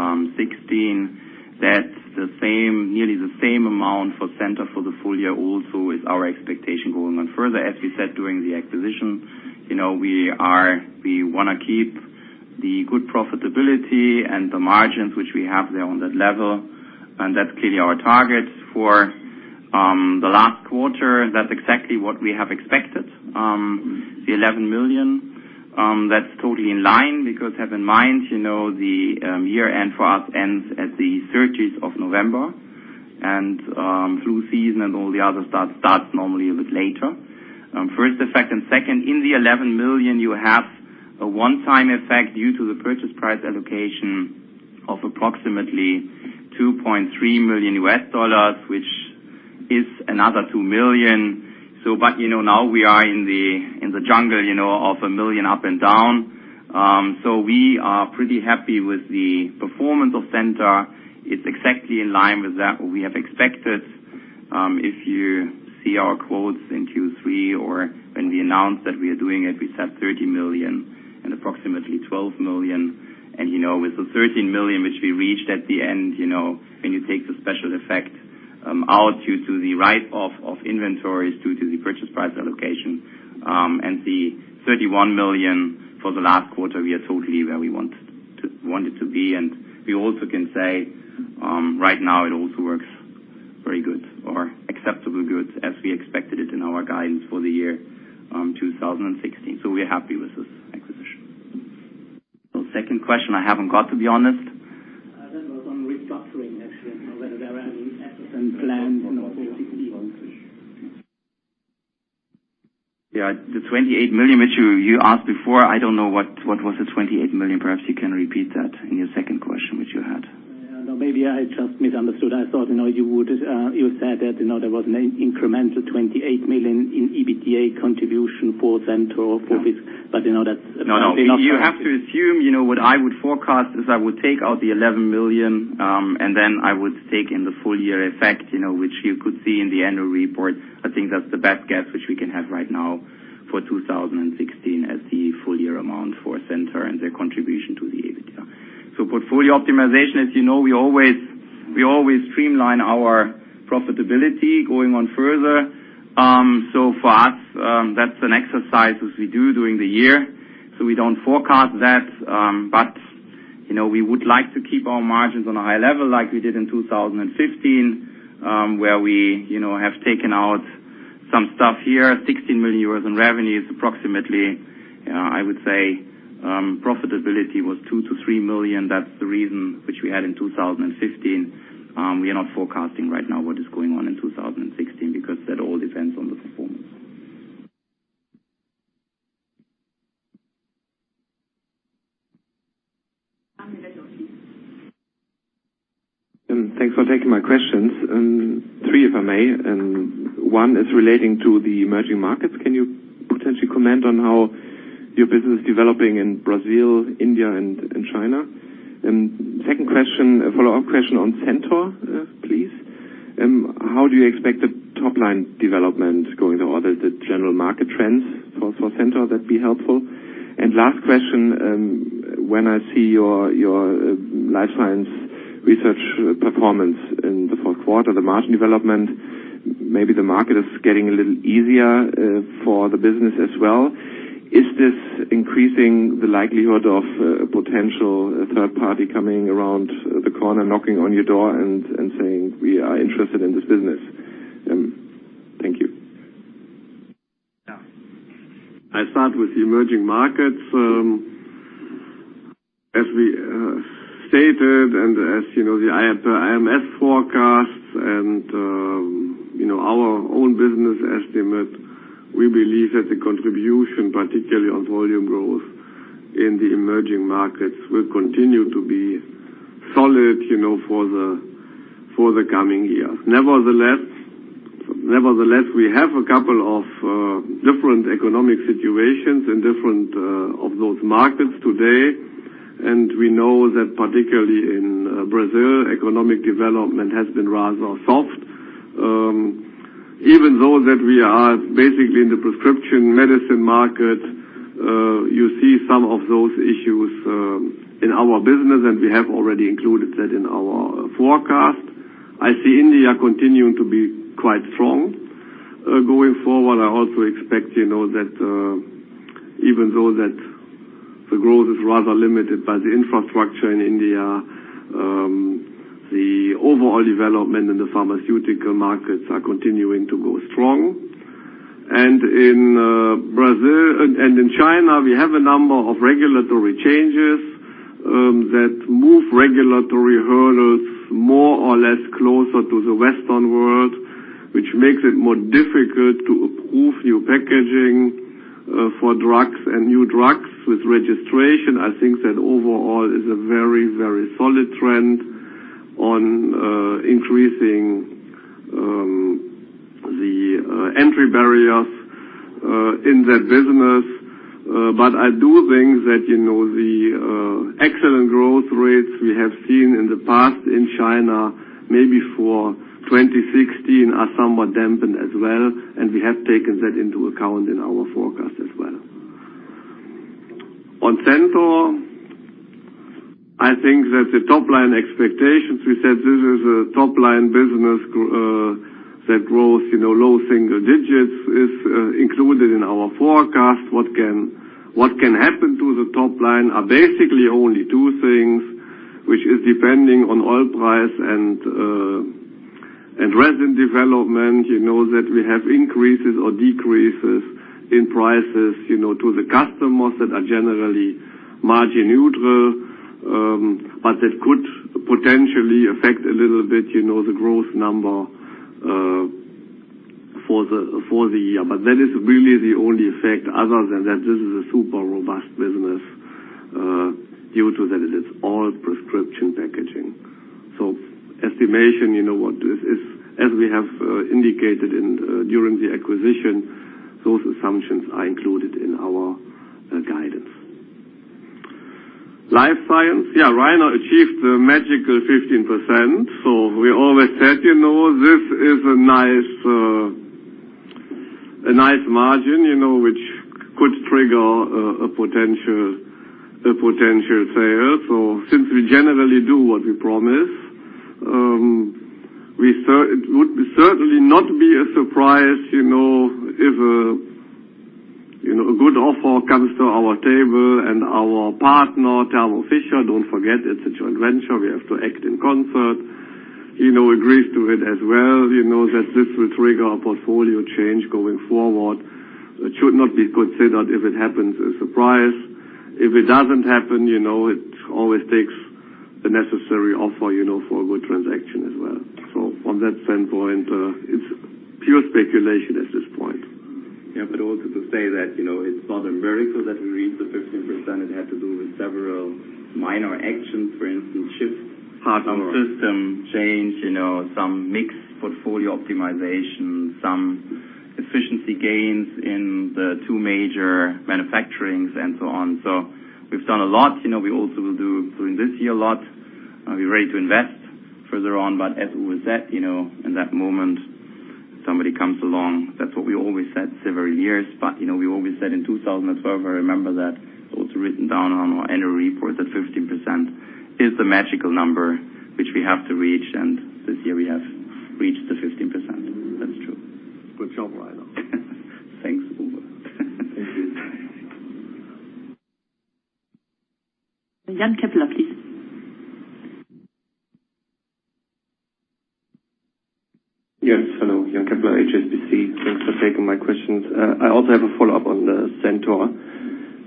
that nearly the same amount for Centor for the full year also is our expectation going on further. As we said during the acquisition, we want to keep the good profitability and the margins which we have there on that level, and that's clearly our target for the last quarter. That's exactly what we have expected. The 11 million, that's totally in line because have in mind, the year-end for us ends at the thirtieth of November, flu season and all the other stuff starts normally a bit later. First effect, second, in the 11 million, you have a one-time effect due to the purchase price allocation of approximately $2.3 million, which is another $2 million. Now we are in the jungle of a million up and down. We are pretty happy with the performance of Centor. It's exactly in line with that what we have expected. If you see our quotes in Q3 or when we announced that we are doing it, we said 13 million and approximately 12 million. With the 13 million, which we reached at the end, when you take the special effect out due to the write-off of inventories due to the purchase price allocation, and the 31 million for the last quarter, we are totally where we wanted to be, and we also can say, right now, it also works very good or acceptably good as we expected it in our guidance for the year 2016. We are happy with this acquisition. Second question I haven't got, to be honest. That was on restructuring, actually. Whether there are any assets and plans for 2016. Yeah. The 28 million, which you asked before, I don't know, what was the 28 million? Perhaps you can repeat that in your second question, which you had. Yeah. No, maybe I just misunderstood. I thought you said that there was an incremental 28 million in EBITDA contribution for Centor for this. No. You have to assume, what I would forecast is I would take out the 11 million, then I would take in the full year effect, which you could see in the annual report. I think that's the best guess which we can have right now for 2016 as the full year amount for Centor and their contribution to the EBITDA. Portfolio optimization, as you know, we always streamline our profitability going on further. For us, that's an exercise which we do during the year, we don't forecast that. We would like to keep our margins on a high level like we did in 2015, where we have taken out some stuff here, 16 million euros in revenues, approximately. I would say profitability was 2 million-3 million. That's the reason which we had in 2015. We are not forecasting right now what is going on in 2016 because that all depends on the performance. Thanks for taking my questions. Three, if I may. One is relating to the emerging markets. Can you potentially comment on how your business is developing in Brazil, India, and China? Second question, a follow-up question on Centor, please. How do you expect the top-line development going or the general market trends for Centor? That'd be helpful. Last question, when I see your Life Science Research performance in the fourth quarter, the margin development, maybe the market is getting a little easier for the business as well. Is this increasing the likelihood of a potential third party coming around the corner, knocking on your door, and saying, "We are interested in this business." Thank you. I start with the emerging markets. As we stated, as you know, the IMF forecasts and our own business estimate, we believe that the contribution, particularly on volume growth in the emerging markets, will continue to be solid for the coming year. Nevertheless, we have a couple of different economic situations in different of those markets today, and we know that particularly in Brazil, economic development has been rather soft. Even though that we are basically in the prescription medicine market, you see some of those issues in our business, and we have already included that in our forecast. I see India continuing to be quite strong. Going forward, I also expect that even though that the growth is rather limited by the infrastructure in India, the overall development in the pharmaceutical markets are continuing to go strong. In China, we have a number of regulatory changes that move regulatory hurdles more or less closer to the Western world, which makes it more difficult to approve new packaging for drugs and new drugs with registration. I think that overall it's a very solid trend on increasing the entry barriers in that business. I do think that the excellent growth rates we have seen in the past in China, maybe for 2016, are somewhat dampened as well, and we have taken that into account in our forecast as well. On Centor, I think that the top-line expectations, we said this is a top-line business that grows low single digits, is included in our forecast. What can happen to the top line are basically only two things, which is depending on oil price and resin development, that we have increases or decreases in prices to the customers that are generally margin neutral. That could potentially affect a little bit, the growth number for the year. That is really the only effect. Other than that, this is a super robust business due to that it is all prescription packaging. Estimation, as we have indicated during the acquisition, those assumptions are included in our guidance. Life Science, yeah, Rainer Beaujean achieved the magical 15%, we always said, this is a nice margin, which could trigger a potential sale. Since we generally do what we promise, it would certainly not be a surprise if a good offer comes to our table and our partner, Thermo Fisher, don't forget, it's a joint venture, we have to act in concert, agrees to it as well, that this will trigger a portfolio change going forward. It should not be considered, if it happens, a surprise. If it doesn't happen, it always takes the necessary offer for a good transaction as well. From that standpoint, it's pure speculation at this point. Also to say that it's not a miracle that we reached the 15%. It had to do with several minor actions. For instance, shift some system change, some mix portfolio optimization, some efficiency gains in the two major manufacturings and so on. We've done a lot. We also will do during this year a lot. We're ready to invest further on, as Uwe said, in that moment, somebody comes along. That's what we always said several years. We always said in 2012, I remember that. It's also written down on our annual report that 15% is the magical number which we have to reach, and this year we have reached the 15%. That's true. Good job, Rainer. Thanks, Uwe. Thank you. Jan Keppeler, please. Yes, hello. Jan Keppeler, HSBC. Thanks for taking my questions. I also have a follow-up on the Centor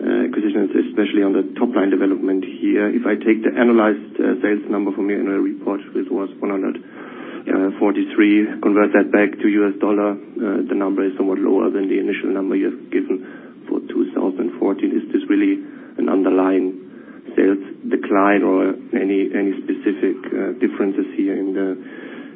acquisitions, especially on the top-line development here. If I take the annualized sales number from your annual report, which was 143. Convert that back to US dollar, the number is somewhat lower than the initial number you have given for 2014. Is this really an underlying sales decline or any specific differences here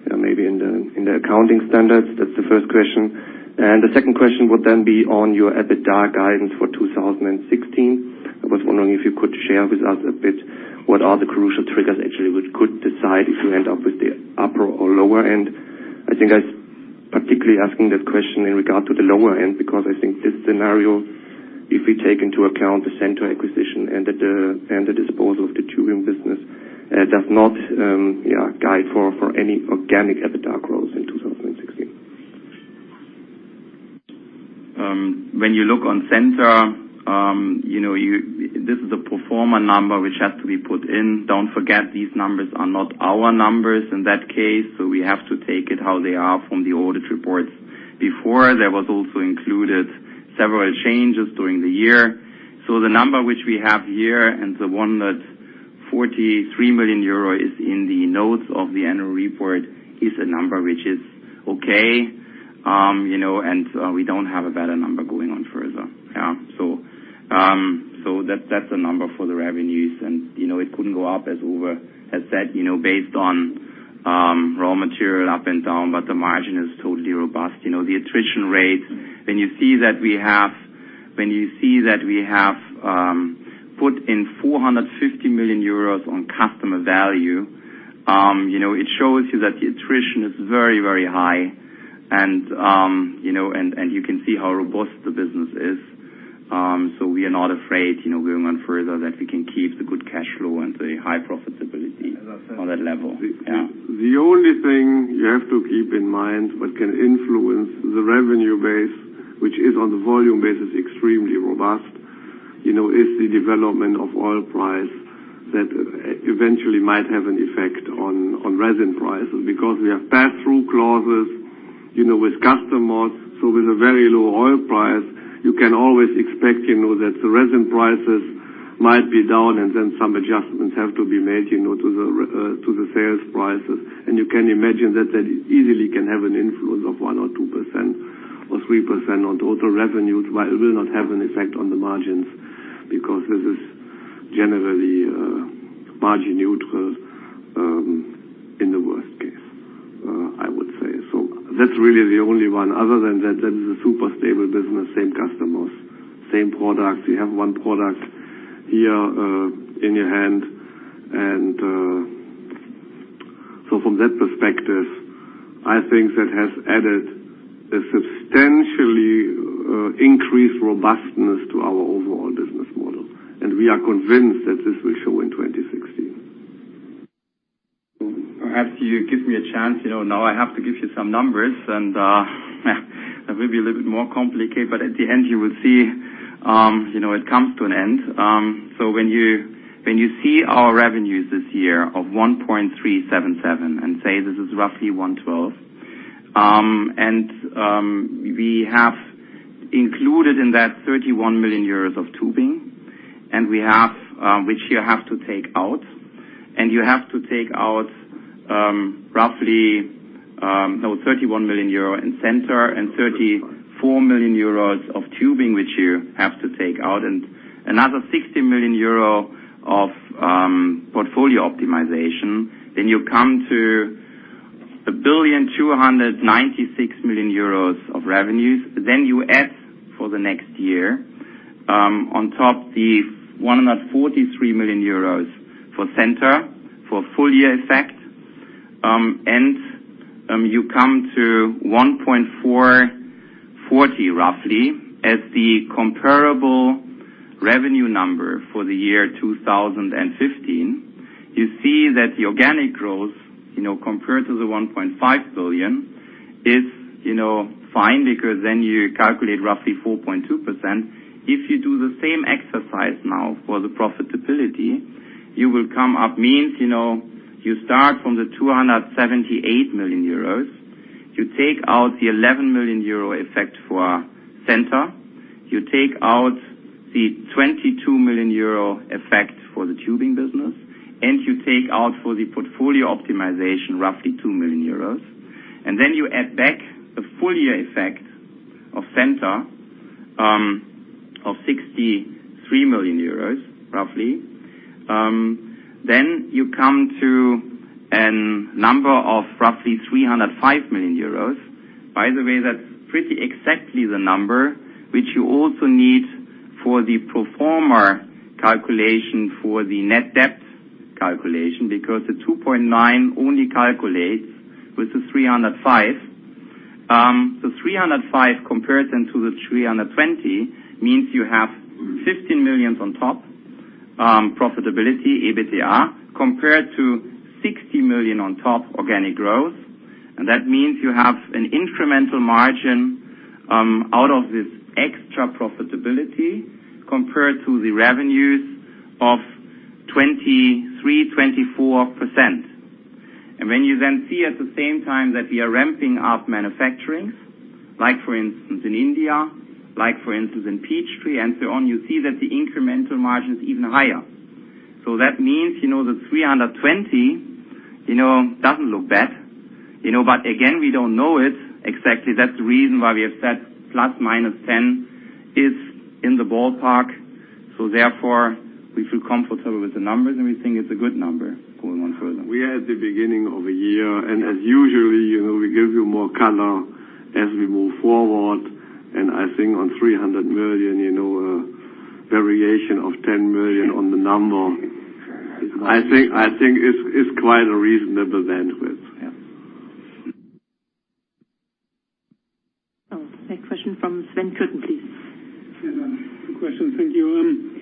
maybe in the accounting standards? That's the first question. The second question would then be on your EBITDA guidance for 2016. I was wondering if you could share with us a bit what are the crucial triggers actually, which could decide if you end up with the upper or lower end. I think I was particularly asking this question in regard to the lower end, because I think this scenario, if we take into account the Centor acquisition and the disposal of the tubing business, does not guide for any organic EBITDA growth in 2016. When you look on Centor, this is a pro forma number, which has to be put in. Don't forget these numbers are not our numbers in that case. We have to take it how they are from the audit reports. Before, there was also included several changes during the year. The number which we have here and the one that 43 million euro is in the notes of the annual report is a number which is okay. We don't have a better number going on further. That's the number for the revenues. It couldn't go up, as Uwe has said, based on raw material up and down, but the margin is totally robust. The attrition rate. When you see that we have put in 450 million euros on customer value, it shows you that the attrition is very high and you can see how robust the business is. We are not afraid, going on further, that we can keep the good cash flow and the high profitability on that level. Yeah. The only thing you have to keep in mind, what can influence the revenue base, which is on the volume base is extremely robust, is the development of oil price that eventually might have an effect on resin prices. We have pass-through clauses with customers, with a very low oil price, you can always expect that the resin prices might be down and then some adjustments have to be made to the sales prices. You can imagine that easily can have an influence of 1% or 2% or 3% on total revenues, but it will not have an effect on the margins because this is generally margin neutral in the worst case, I would say. That's really the only one. Other than that is a super stable business, same customers, same products. We have one product here in your hand. From that perspective, I think that has added a substantially increased robustness to our overall business model. We are convinced that this will show in 2016. Perhaps you give me a chance. Now I have to give you some numbers and that will be a little bit more complicated, but at the end you will see it comes to an end. When you see our revenues this year of 1.377 billion and say this is roughly [1.12 billion]. We have included in that 31 million euros of tubing, which you have to take out. You have to take out roughly 31 million euro in Centor and 34 million euros of tubing, which you have to take out, and another 60 million euro of portfolio optimization. You come to 1,296,000,000 euros of revenues. You add for the next year, on top the 143 million euros for Centor for full year effect. You come to 1.440 billion roughly as the comparable revenue number for 2015. You see that the organic growth compared to the 1.5 billion is fine because you calculate roughly 4.2%. If you do the same exercise now for the profitability, you will come up means, you start from the 278 million euros. You take out the 11 million euro effect for Centor. You take out the 22 million euro effect for the tubing business, and you take out for the portfolio optimization roughly 2 million euros. You add back the full year effect of Centor of EUR 63 million roughly. You come to a number of roughly 305 million euros. By the way, that's pretty exactly the number which you also need for the pro forma calculation for the net debt calculation because the 2.9x only calculates with the 305 million. The 305 million compared to the 320 million means you have 15 million on top profitability, EBITDA, compared to 60 million on top organic growth. That means you have an incremental margin out of this extra profitability compared to the revenues of 23%-24%. When you then see at the same time that we are ramping up manufacturing, like for instance in India, like for instance in Peachtree and so on, you see that the incremental margin is even higher. That means, the 320 million doesn't look bad. Again, we don't know it exactly. That's the reason why we have said ±10% is in the ballpark. Therefore, we feel comfortable with the numbers, and we think it's a good number going on further. We are at the beginning of a year, as usually, we give you more color as we move forward. I think on 300 million, a variation of 10 million on the number, I think is quite a reasonable bandwidth. Yeah. Next question from Sven Kueten, please. Two questions. Thank you.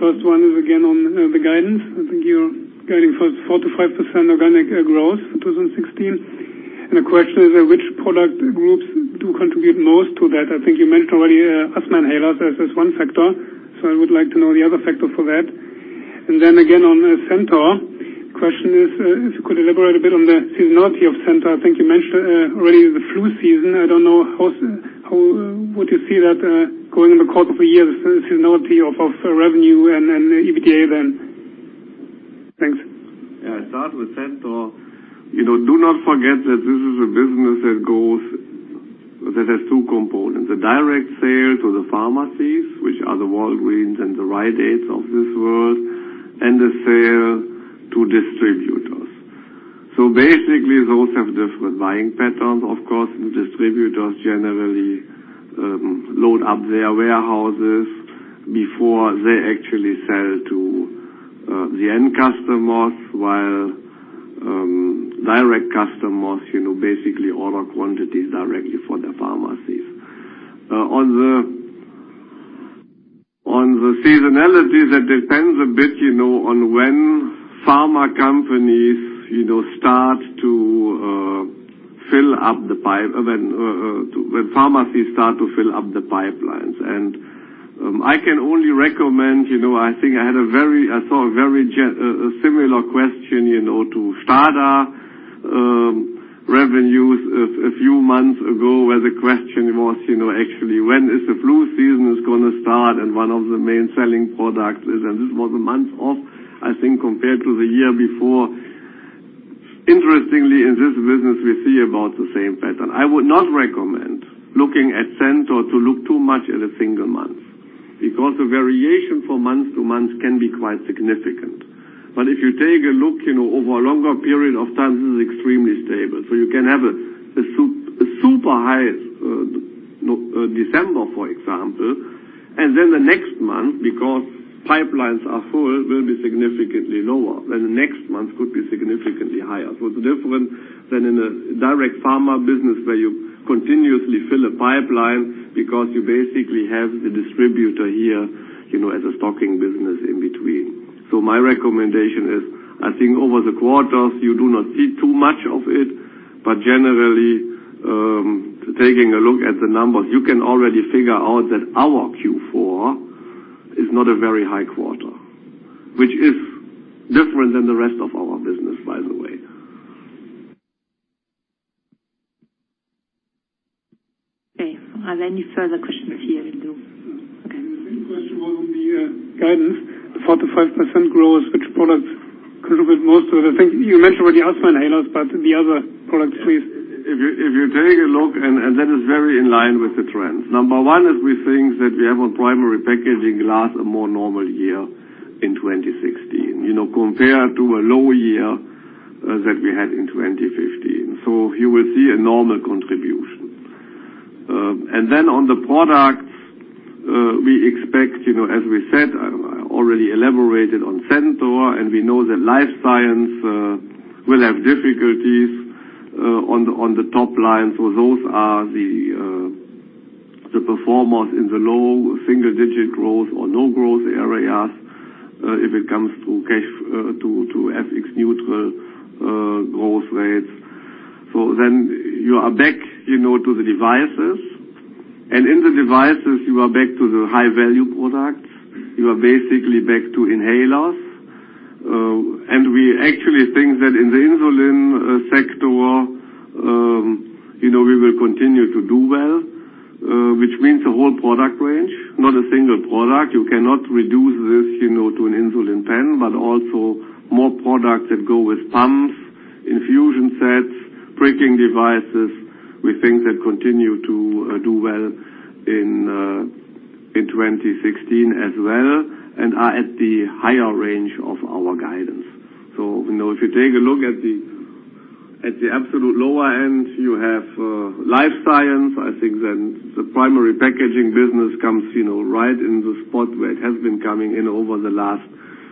First one is again on the guidance. I think you're guiding for 4%-5% organic growth for 2016. The question is, which product groups do contribute most to that? I think you mentioned already asthma inhalers as one factor, I would like to know the other factor for that. Then again on the Centor, question is, if you could elaborate a bit on the seasonality of Centor. I think you mentioned already the flu season. I don't know, how would you see that, going in the course of a year, the seasonality of revenue and then EBITDA then. Thanks. I start with Centor. Do not forget that this is a business that has two components. The direct sale to the pharmacies, which are the Walgreens and the Rite Aids of this world, and the sale to distributors. Basically, those have different buying patterns, of course. Distributors generally load up their warehouses before they actually sell to the end customers, while direct customers, basically order quantities directly for the pharmacies. On the seasonality, that depends a bit on when pharma companies start to fill up the pipe, when pharmacies start to fill up the pipelines. I can only recommend, I think I saw a very similar question to STADA revenues a few months ago, where the question was actually, "When is the flu season going to start?" One of the main selling products is, and this was a month off, I think, compared to the year before. Interestingly, in this business, we see about the same pattern. I would not recommend looking at Centor to look too much at a single month, because the variation from month to month can be quite significant. If you take a look over a longer period of time, this is extremely stable. You can have a super high December, for example, and then the next month, because pipelines are full, will be significantly lower, then the next month could be significantly higher. It's different than in a direct pharma business where you continuously fill a pipeline because you basically have the distributor here, as a stocking business in between. My recommendation is, I think over the quarters, you do not see too much of it. Generally, taking a look at the numbers, you can already figure out that our Q4 is not a very high quarter, which is different than the rest of our business, by the way. Are there any further questions here? The second question was on the guidance. The 4%-5% growth, which products contribute most to it? I think you mentioned already asthma inhalers, the other products, please. If you take a look, that is very in line with the trends. Number 1 is we think that we have a Primary Packaging Glass, a more normal year in 2016. Compared to a low year that we had in 2015. You will see a normal contribution. On the products, we expect, as we said, I already elaborated on Centor, and we know that Life Science Research will have difficulties on the top line. Those are the performers in the low single-digit growth or no growth areas, if it comes to FX neutral growth rates. You are back to the devices. In the devices, you are back to the high-value products. You are basically back to inhalers. We actually think that in the insulin sector, we will continue to do well, which means the whole product range, not a single product. You cannot reduce this to an insulin pen, but also more products that go with pumps, infusion sets, lancing devices. We think that continue to do well in 2016 as well, and are at the higher range of our guidance. If you take a look at the absolute lower end, you have Life Science Research. I think the Primary Packaging Glass business comes right in the spot where it has been coming in over the last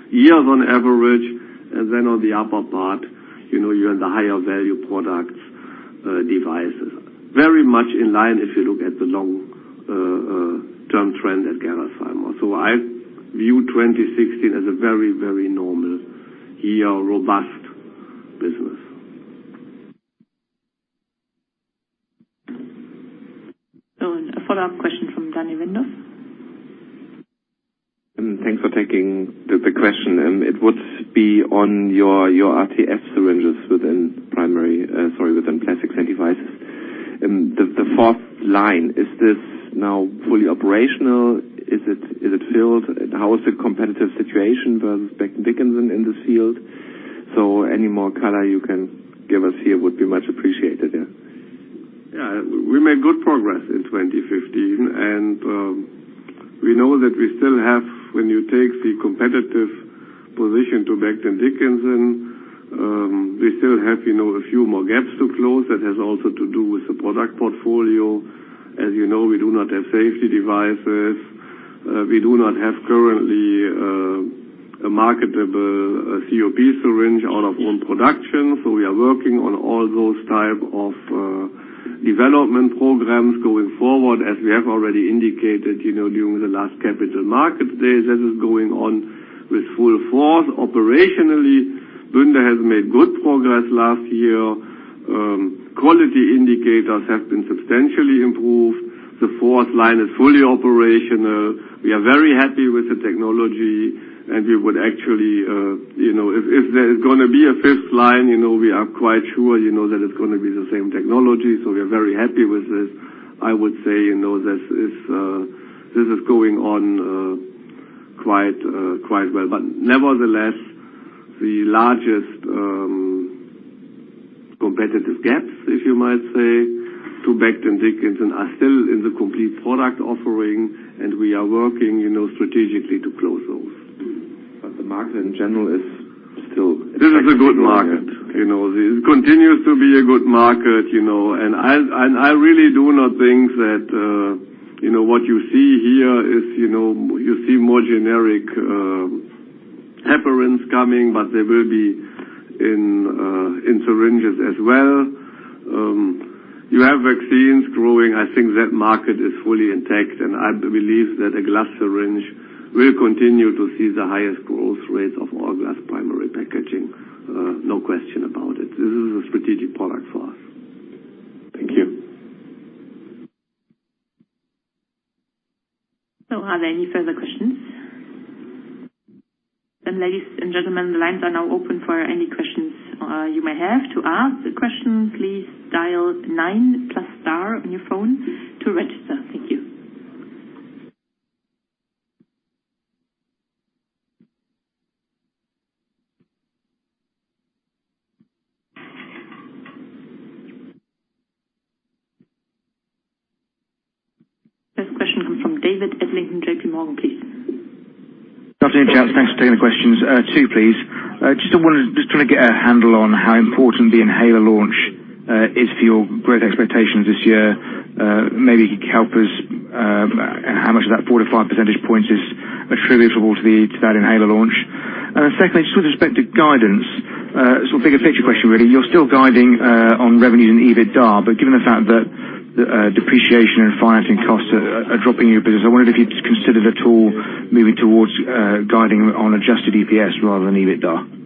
years on average. On the upper part, you are in the higher value products, devices. Very much in line if you look at the long-term trend at Gerresheimer. I view 2016 as a very normal year, robust business. A follow-up question from Daniel Wendorff. Thanks for taking the question. It would be on your RTF syringes within Primary Packaging Glass, sorry, within Plastics and Devices. The fourth line, is this now fully operational? Is it built? How is the competitive situation versus Becton, Dickinson and Company in this field? Any more color you can give us here would be much appreciated, yeah. Yeah, we made good progress in 2015. We know that we still have, when you take the competitive position to Becton Dickinson, we still have a few more gaps to close. That has also to do with the product portfolio. As you know, we do not have safety devices. We do not have, currently, a marketable COP syringe out of own production. We are working on all those type of development programs going forward, as we have already indicated, during the last capital market days. This is going on with full force. Operationally, Bünde has made good progress last year. Quality indicators have been substantially improved. The fourth line is fully operational. We are very happy with the technology, and we would actually, if there's going to be a fifth line, we are quite sure that it's going to be the same technology. We are very happy with this. I would say, this is going on quite well. Nevertheless, the largest competitive gaps, if you might say, to Becton Dickinson, are still in the complete product offering. We are working strategically to close those. The market, in general, is still This is a good market. It continues to be a good market. I really do not think that what you see here is, you see more generic heparins coming. They will be in syringes as well. You have vaccines growing. I think that market is fully intact. I believe that a glass syringe will continue to see the highest growth rate of all glass primary packaging. No question about it. This is a strategic product for us. Thank you. Are there any further questions? Ladies and gentlemen, the lines are now open for any questions you may have. To ask the question, please dial nine plus star on your phone to register. Thank you. First question comes from David Adlington J.P. Morgan, please. Good afternoon, gents. Thanks for taking the questions. Two, please. Just trying to get a handle on how important the inhaler launch is for your growth expectations this year. Maybe you could help us, how much of that four to five percentage points is attributable to that inhaler launch. Secondly, just with respect to guidance, sort of bigger picture question really. You're still guiding on revenue and EBITDA, but given the fact that depreciation and financing costs are dropping your business, I wanted to get considered at all moving towards guiding on adjusted EPS rather than EBITDA.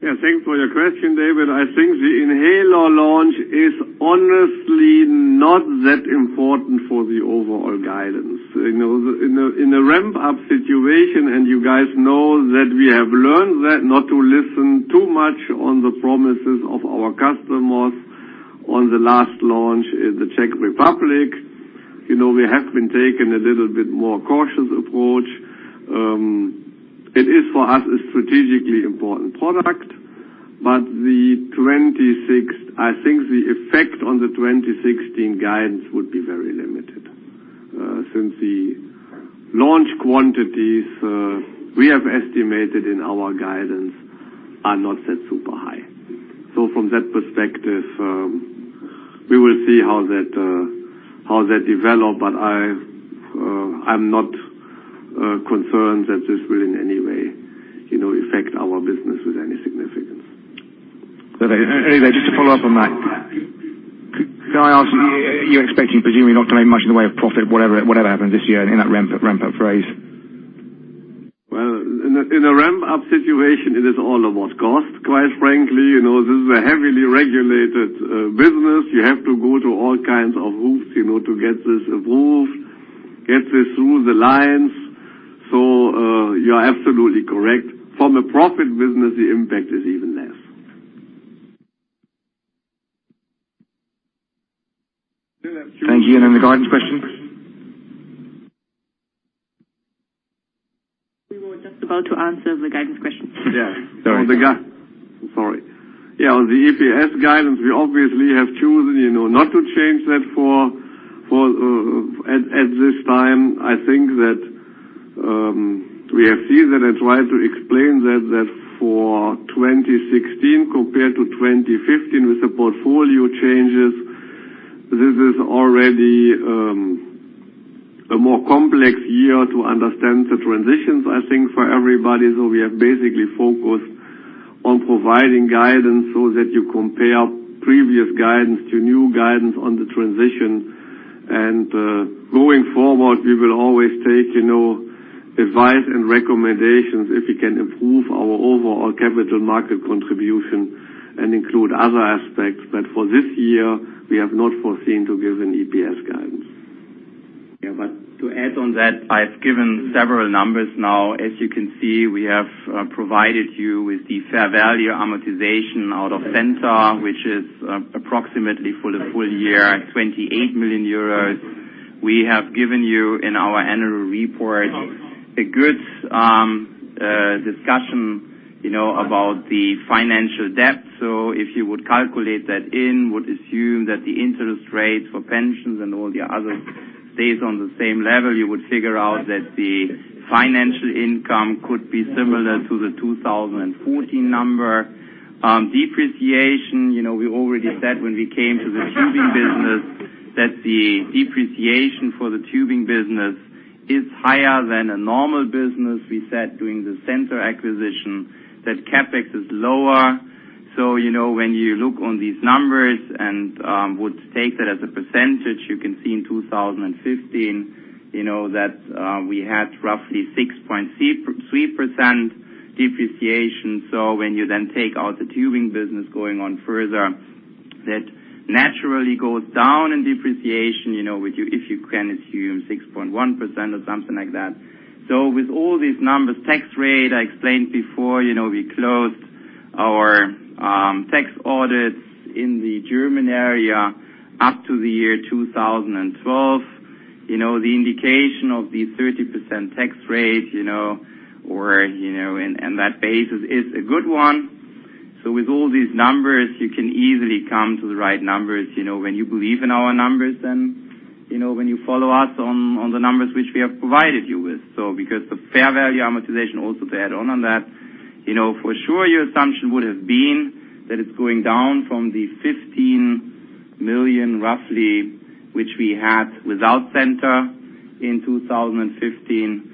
Yeah. Thanks for your question, David. I think the inhaler launch is honestly not that important for the overall guidance. In a ramp-up situation, and you guys know that we have learned that not to listen too much on the promises of our customers on the last launch in the Czech Republic. We have been taking a little bit more cautious approach. It is, for us, a strategically important product, but I think the effect on the 2016 guidance would be very limited. Since the launch quantities, we have estimated in our guidance are not set super high. From that perspective, we will see how that develop, but I'm not concerned that this will in any way affect our business with any significance. Okay. Just to follow up on that. Can I ask, you're expecting, presumably, not to make much in the way of profit, whatever happens this year in that ramp-up phase? Well, in a ramp-up situation, it is all about cost, quite frankly. This is a heavily regulated business. You have to go to all kinds of hoops to get this approved, get this through the lines. You are absolutely correct. From a profit business, the impact is even less. Thank you. Then the guidance question. We were just about to answer the guidance question. Yeah. Sorry. Sorry. Yeah. On the EPS guidance, we obviously have chosen not to change that at this time. I think that we have seen that and tried to explain that for 2016 compared to 2015 with the portfolio changes, this is already a more complex year to understand the transitions, I think, for everybody. We have basically focused on providing guidance so that you compare previous guidance to new guidance on the transition. Going forward, we will always take advice and recommendations if we can improve our overall capital market contribution and include other aspects. For this year, we have not foreseen to give an EPS guidance. To add on that, I've given several numbers now. As you can see, we have provided you with the fair value amortization out of Centor, which is approximately for the full year, 28 million euros. We have given you in our annual report a good discussion about the financial debt. If you would calculate that in, would assume that the interest rates for pensions and all the other stays on the same level, you would figure out that the financial income could be similar to the 2014 number. Depreciation, we already said when we came to the tubing business that the depreciation for the tubing business is higher than a normal business. We said during the Centor acquisition that CapEx is lower. When you look on these numbers and would take that as a percentage, you can see in 2015, that we had roughly 6.3% depreciation. When you then take out the tubing business going on further, that naturally goes down in depreciation, if you can assume 6.1% or something like that. With all these numbers, tax rate, I explained before, we closed our tax audits in the German area up to the year 2012. The indication of the 30% tax rate, and that basis is a good one. With all these numbers, you can easily come to the right numbers. When you believe in our numbers, then when you follow us on the numbers which we have provided you with. Because the fair value amortization also to add on on that. For sure, your assumption would have been that it's going down from the 15 million roughly, which we had without Centor in 2015.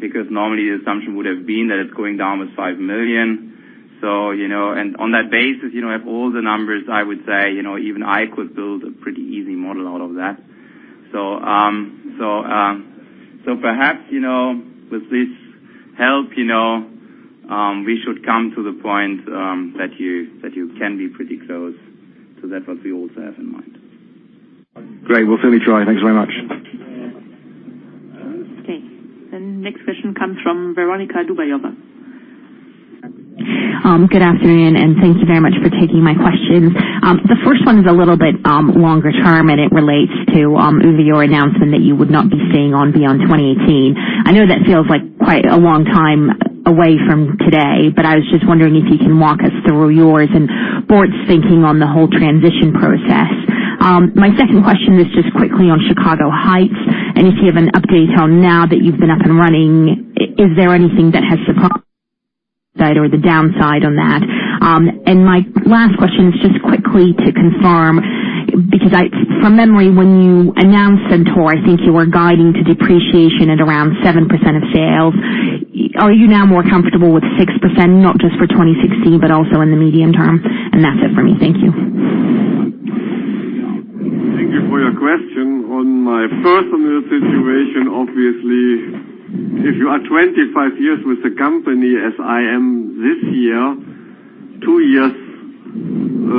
Because normally the assumption would have been that it's going down with 5 million. On that basis, with all the numbers, I would say, even I could build a pretty easy model out of that. Perhaps, with this help, we should come to the point, that you can be pretty close to that what we also have in mind. Great. We'll certainly try. Thanks very much. Okay. The next question comes from Veronika Dubajova. Good afternoon. Thank you very much for taking my questions. The first one is a little bit longer term, and it relates to Uwe, your announcement that you would not be staying on beyond 2018. I know that feels like quite a long time away from today, but I was just wondering if you can walk us through yours and the board's thinking on the whole transition process. My second question is just quickly on Chicago Heights, and if you have an update on now that you've been up and running, is there anything that has surprised or the downside on that? My last question is just quickly to confirm, because from memory, when you announced Centor, I think you were guiding to depreciation at around 7% of sales. Are you now more comfortable with 6%, not just for 2016, but also in the medium term? That's it for me. Thank you. Thank you for your question. On my personal situation, obviously, if you are 25 years with the company as I am this year, 2 years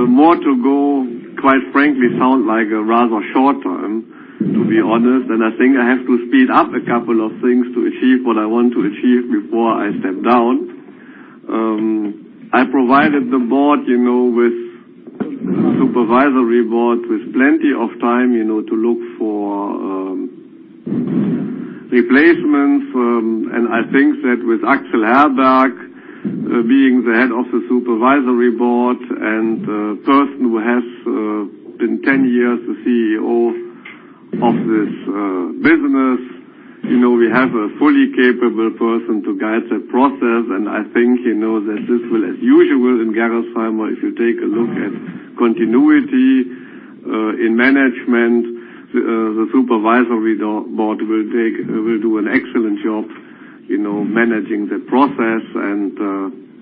more to go, quite frankly, sound like a rather short time, to be honest, and I think I have to speed up a couple of things to achieve what I want to achieve before I step down. I provided the board with Supervisory Board, with plenty of time, to look for replacements. I think that with Axel Herberg being the head of the Supervisory Board and a person who has been 10 years the CEO of this business. We have a fully capable person to guide the process, and I think, that this will, as usual in Gerresheimer, if you take a look at continuity in management, the Supervisory Board will do an excellent job managing the process.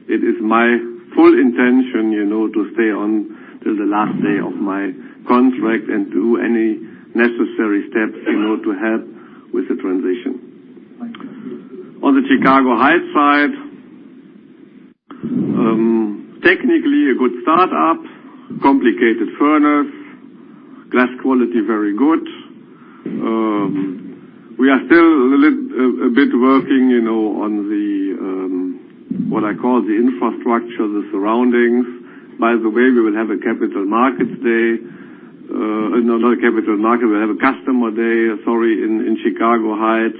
It is my full intention, to stay on till the last day of my contract and do any necessary steps to help with the transition. On the Chicago Heights side, technically a good start-up, complicated furnace, glass quality very good. We are still a bit working on the, what I call the infrastructure, the surroundings. By the way, we will have a Capital Markets Day. No, not a Capital Markets, we will have a Customer Day, sorry, in Chicago Heights.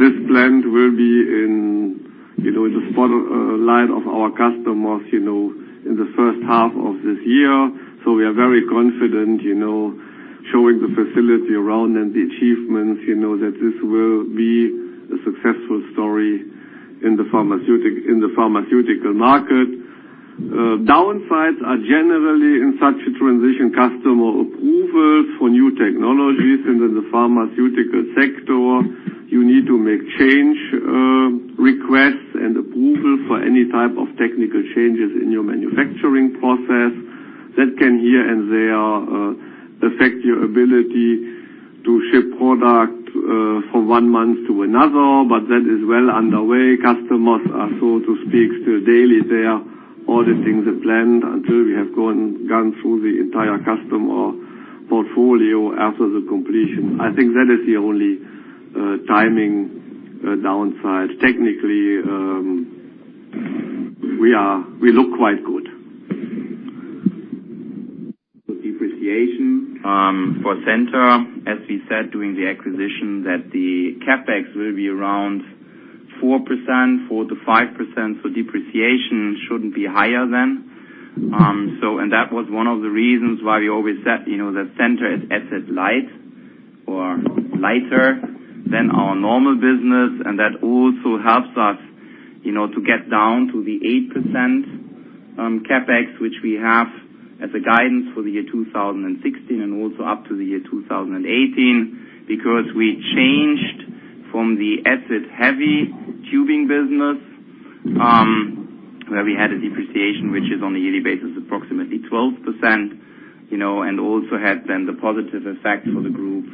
This plant will be in the spotlight of our customers, in the first half of this year. We are very confident, showing the facility around and the achievements, that this will be a successful story in the pharmaceutical market. Downsides are generally in such a transition, customer approvals for new technologies and in the pharmaceutical sector, you need to make change requests and approval for any type of technical changes in your manufacturing process. That can here and there, affect your ability to ship product, from one month to another, but that is well underway. Customers are so to speak, still daily there. All the things are planned until we have gone through the entire customer portfolio after the completion. I think that is the only timing downside. Technically, we look quite good. For depreciation, for Centor, as we said during the acquisition, that the CapEx will be around 4%-5%, so depreciation shouldn't be higher than. That was one of the reasons why we always said, that Centor is asset light or lighter than our normal business, and that also helps us to get down to the 8% CapEx, which we have as a guidance for the year 2016 and also up to the year 2018, because we changed from the asset-heavy tubing business, where we had a depreciation, which is on a yearly basis, approximately 12%, and also had then the positive effect for the group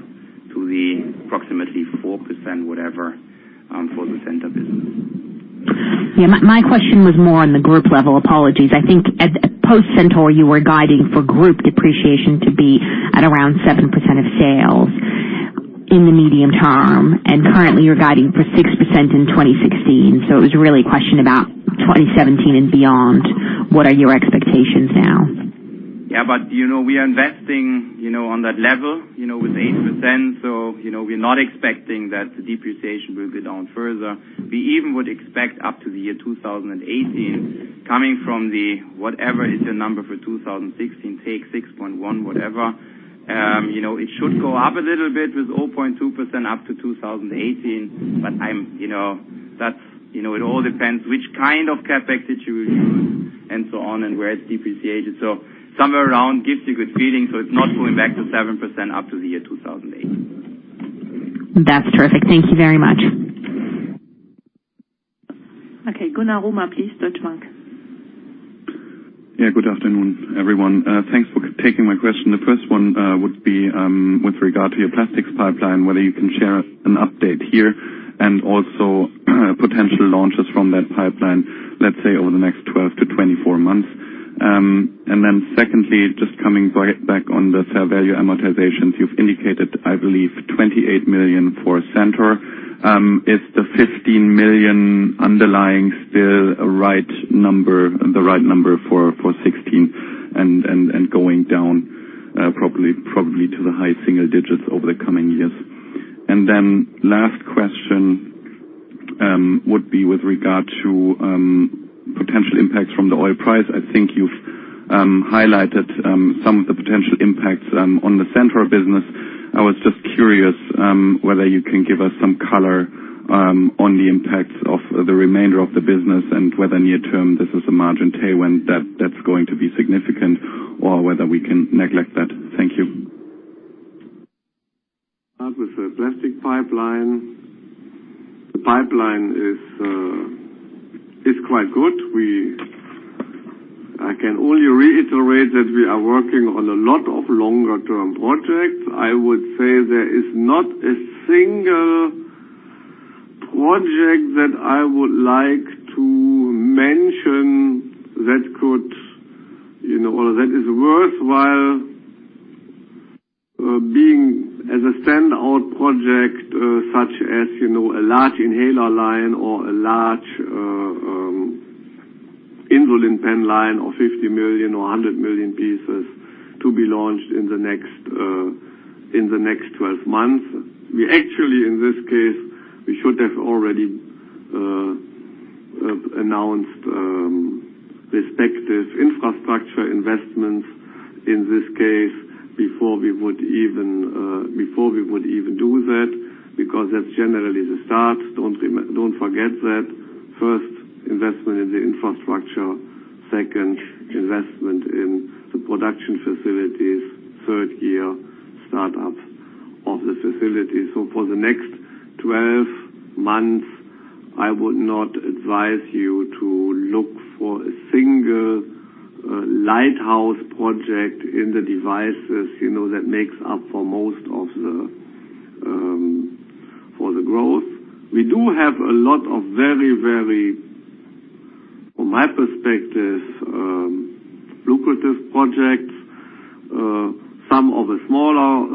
to the approximately 4%, whatever, for the Centor business. Yeah, my question was more on the group level. Apologies. I think at post-Centor, you were guiding for group depreciation to be at around 7% of sales in the medium term, and currently, you're guiding for 6% in 2016. It was really a question about 2017 and beyond. What are your expectations now? We are investing on that level, with 8%. We're not expecting that the depreciation will be down further. We even would expect up to the year 2018, coming from the, whatever is your number for 2016, take 6.1 whatever. It should go up a little bit with 0.2% up to 2018. It all depends which kind of CapEx that you will use and so on, and where it's depreciated. Somewhere around gives a good feeling, so it's not going back to 7% up to the year 2018. That's terrific. Thank you very much. Okay, Gunnar Romer please, Deutsche Bank. Good afternoon, everyone. Thanks for taking my question. The first one would be, with regard to your plastics pipeline, whether you can share an update here, and also potential launches from that pipeline, let's say, over the next 12 to 24 months. Secondly, just coming right back on the fair value amortizations, you've indicated, I believe, 28 million for Centor. Is the 15 million underlying still the right number for 2016, and going down probably to the high single digits over the coming years? Last question would be with regard to potential impacts from the oil price. I think you've highlighted some of the potential impacts on the Centor business. I was just curious whether you can give us some color on the impacts of the remainder of the business and whether near term, this is a margin tailwind that's going to be significant or whether we can neglect that. Thank you. As with the plastic pipeline. The pipeline is quite good. I can only reiterate that we are working on a lot of longer term projects. I would say there is not a single project that I would like to mention that is worthwhile being as a standout project, such as, a large inhaler line or a large insulin pen line, or 50 million or 100 million pieces to be launched in the next 12 months. We actually, in this case, we should have already announced respective infrastructure investments in this case before we would even do that, because that's generally the start. Don't forget that. First, investment in the infrastructure. Second, investment in the production facilities. Third year, start up of the facility. For the next 12 months, I would not advise you to look for a single lighthouse project in the devices, that makes up for the growth. We do have a lot of very, from my perspective, lucrative projects. Some of the smaller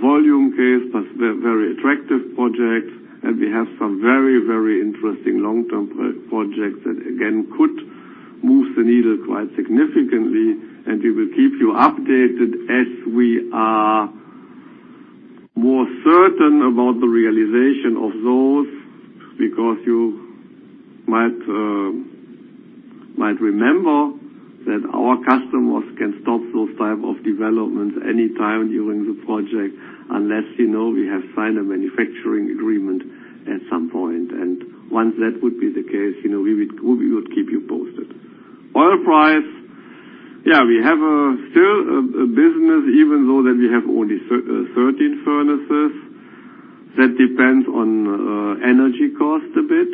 volume case, but they are very attractive projects. We have some very interesting long-term projects that again, could move the needle quite significantly, and we will keep you updated as we are more certain about the realization of those, because you might remember that our customers can stop those type of developments any time during the project, unless we have signed a manufacturing agreement at some point. Once that would be the case, we would keep you posted. Oil price. Yeah, we have still a business, even though that we have only 13 furnaces. That depends on energy cost a bit.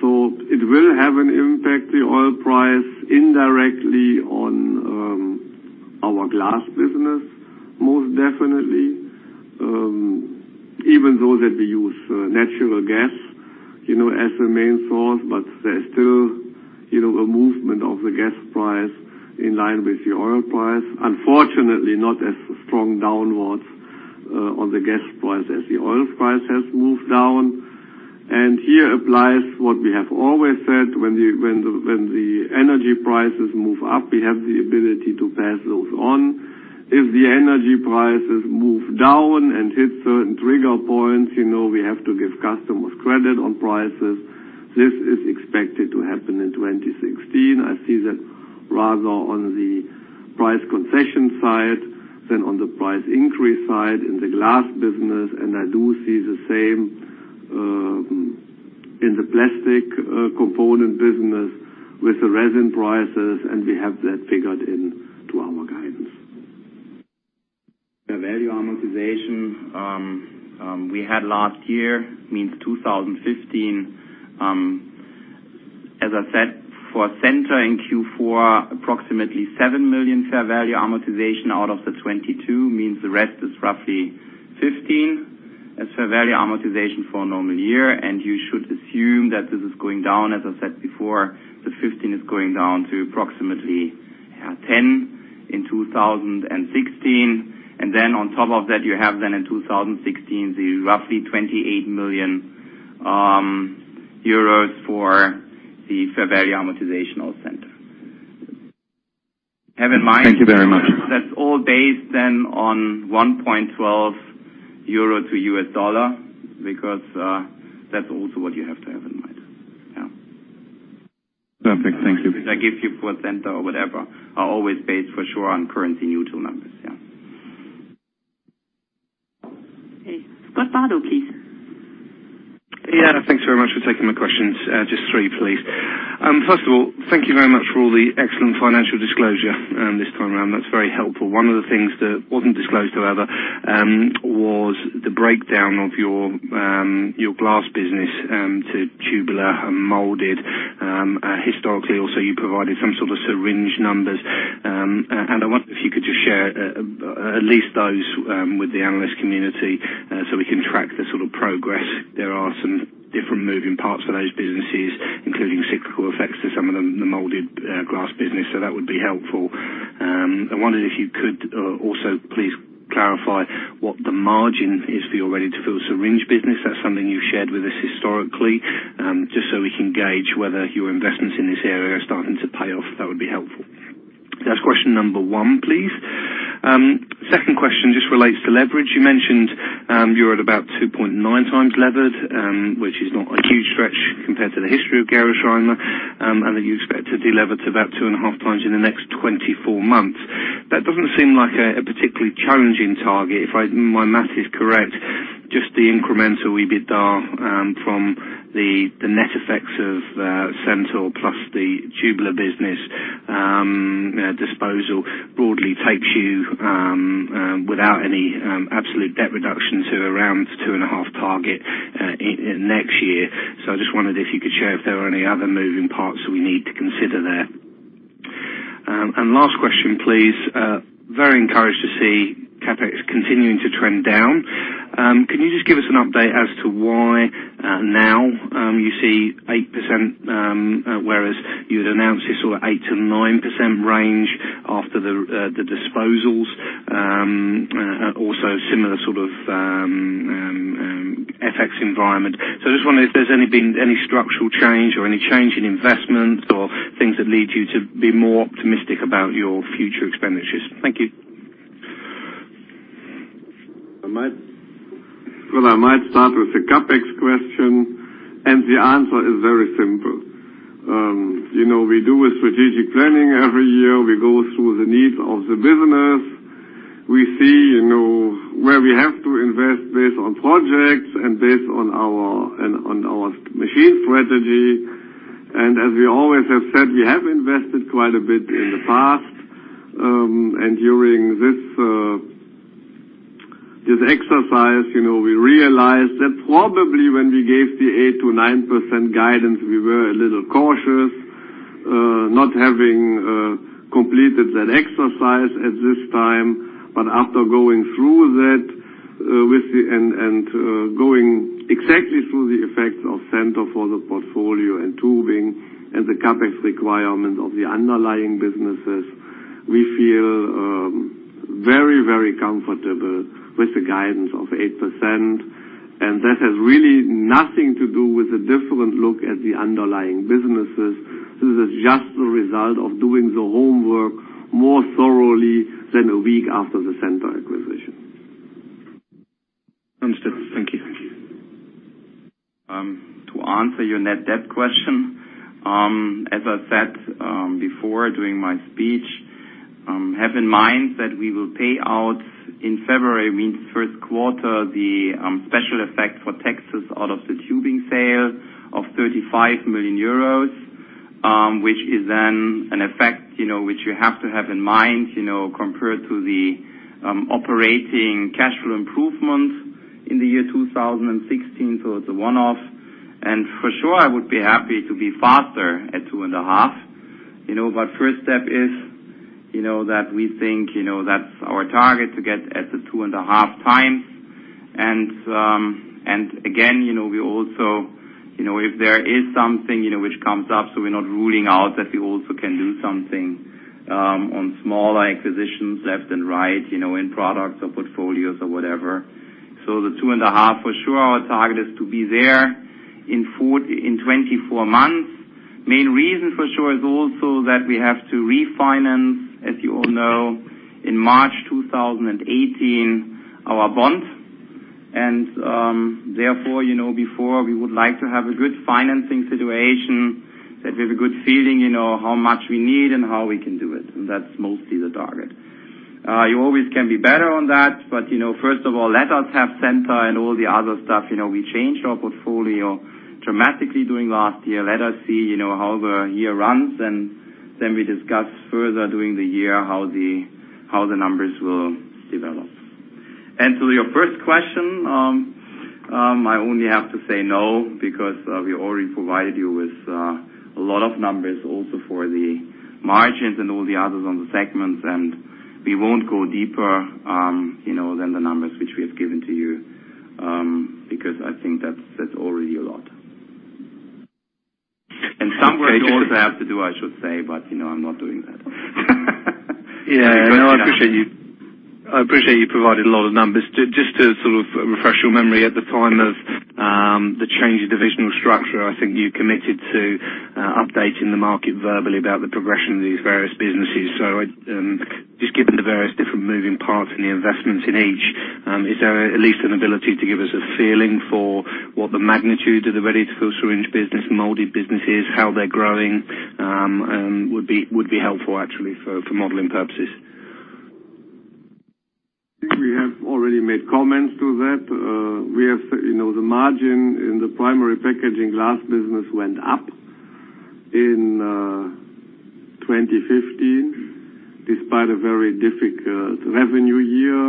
It will have an impact, the oil price, indirectly on our glass business, most definitely. Even though that we use natural gas as the main source, there is still a movement of the gas price in line with the oil price. Unfortunately, not as strong downwards on the gas price as the oil price has moved down. Here applies what we have always said, when the energy prices move up, we have the ability to pass those on. If the energy prices move down and hit certain trigger points, we have to give customers credit on prices. This is expected to happen in 2016. I see that rather on the price concession side than on the price increase side in the glass business, and I do see the same in the plastic component business with the resin prices, and we have that figured in to our guidance. The value amortization we had last year, means 2015. As I said, for Centor in Q4, approximately 7 million fair value amortization out of the 22 million means the rest is roughly 15 million. As fair value amortization for a normal year, and you should assume that this is going down, as I said before, the 15 million is going down to approximately 10 million in 2016. Then on top of that, you have then in 2016, the roughly 28 million euros for the fair value amortization of Centor. Thank you very much that's all based then on 1.12 euro to U.S. dollar, because, that's also what you have to have in mind. Yeah. Perfect. Thank you. I give you for Centor or whatever, are always based for sure on currency-neutral numbers. Yeah. Okay. Scott Bardo, please. Yeah, thanks very much for taking my questions. Just three, please. First of all, thank you very much for all the excellent financial disclosure this time around. That's very helpful. One of the things that wasn't disclosed, however, was the breakdown of your glass business to tubular and molded. Historically also, you provided some sort of syringe numbers. I wonder if you could just share at least those with the analyst community, so we can track the sort of progress. There are some different moving parts for those businesses, including cyclical effects to some of the molded glass business, so that would be helpful. I wondered if you could also please clarify what the margin is for your ready-to-fill syringe business. That's something you've shared with us historically. Just so we can gauge whether your investments in this area are starting to pay off. That would be helpful. That's question number 1, please. Second question just relates to leverage. You mentioned, you're at about 2.9 times levered, which is not a huge stretch compared to the history of Gerresheimer, and that you expect to delever to about two and a half times in the next 24 months. That doesn't seem like a particularly challenging target. If my math is correct, just the incremental EBITDA from the net effects of Centor plus the tubular business disposal broadly takes you, without any absolute debt reduction, to around two and a half target next year. I just wondered if you could share if there are any other moving parts that we need to consider there. Last question, please. Very encouraged to see CapEx continuing to trend down. Can you just give us an update as to why now you see 8%, whereas you had announced this sort of 8%-9% range after the disposals. Also similar sort of FX environment. I just wonder if there's any structural change or any change in investment or things that lead you to be more optimistic about your future expenditures. Thank you. Well, I might start with the CapEx question, the answer is very simple. We do a strategic planning every year. We go through the needs of the business. We see where we have to invest based on projects and based on our machine strategy. As we always have said, we have invested quite a bit in the past. During this exercise, we realized that probably when we gave the 8%-9% guidance, we were a little cautious, not having completed that exercise at this time. After going through that and going exactly through the effects of Centor for the portfolio and tubing and the CapEx requirement of the underlying businesses, we feel very, very comfortable with the guidance of 8%. That has really nothing to do with a different look at the underlying businesses. This is just a result of doing the homework more thoroughly than a week after the Centor acquisition. Understood. Thank you. To answer your net debt question. As I said before during my speech, have in mind that we will pay out in February, means first quarter, the special effect for taxes out of the tubing sale of 35 million euros. Which is then an effect which you have to have in mind compared to the operating cash flow improvement in 2016. It's a one-off. For sure, I would be happy to be faster at two and a half. First step is that we think that's our target to get at the two and a half times. Again, if there is something which comes up, we're not ruling out that we also can do something on smaller acquisitions left and right, in products or portfolios or whatever. The two and a half, for sure, our target is to be there in 24 months. Main reason for sure is also that we have to refinance, as you all know, in March 2018, our bond. Therefore, before we would like to have a good financing situation, that we have a good feeling, how much we need and how we can do it. That's mostly the target. You always can be better on that, first of all, let us have Centor and all the other stuff. We changed our portfolio dramatically during last year. Let us see how the year runs, then we discuss further during the year how the numbers will develop. To your first question, I only have to say no, because we already provided you with a lot of numbers also for the margins and all the others on the segments, and we won't go deeper than the numbers which we have given to you, because I think that's already a lot. Some work I also have to do, I should say, but I'm not doing that. Yeah, I know. I appreciate you provided a lot of numbers. Just to refresh your memory at the time of the change of divisional structure, I think you committed to updating the market verbally about the progression of these various businesses. Just given the various different moving parts and the investments in each, is there at least an ability to give us a feeling for what the magnitude of the ready-to-go syringe business, molded business is, how they're growing, would be helpful actually for modeling purposes. I think we have already made comments to that. The margin in the Primary Packaging Glass business went up in 2015, despite a very difficult revenue year.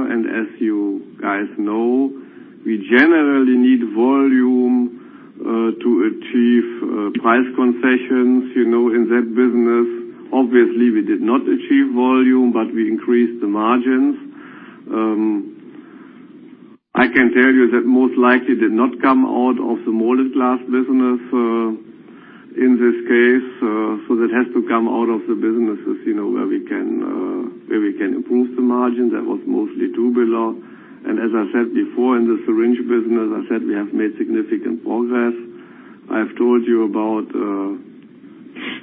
As you guys know, we generally need volume to achieve price concessions in that business. Obviously, we did not achieve volume, but we increased the margins. I can tell you that most likely did not come out of the molded glass business, in this case. That has to come out of the businesses, where we can improve the margin. That was mostly tubular. As I said before, in the syringe business, I said we have made significant progress. I have told you about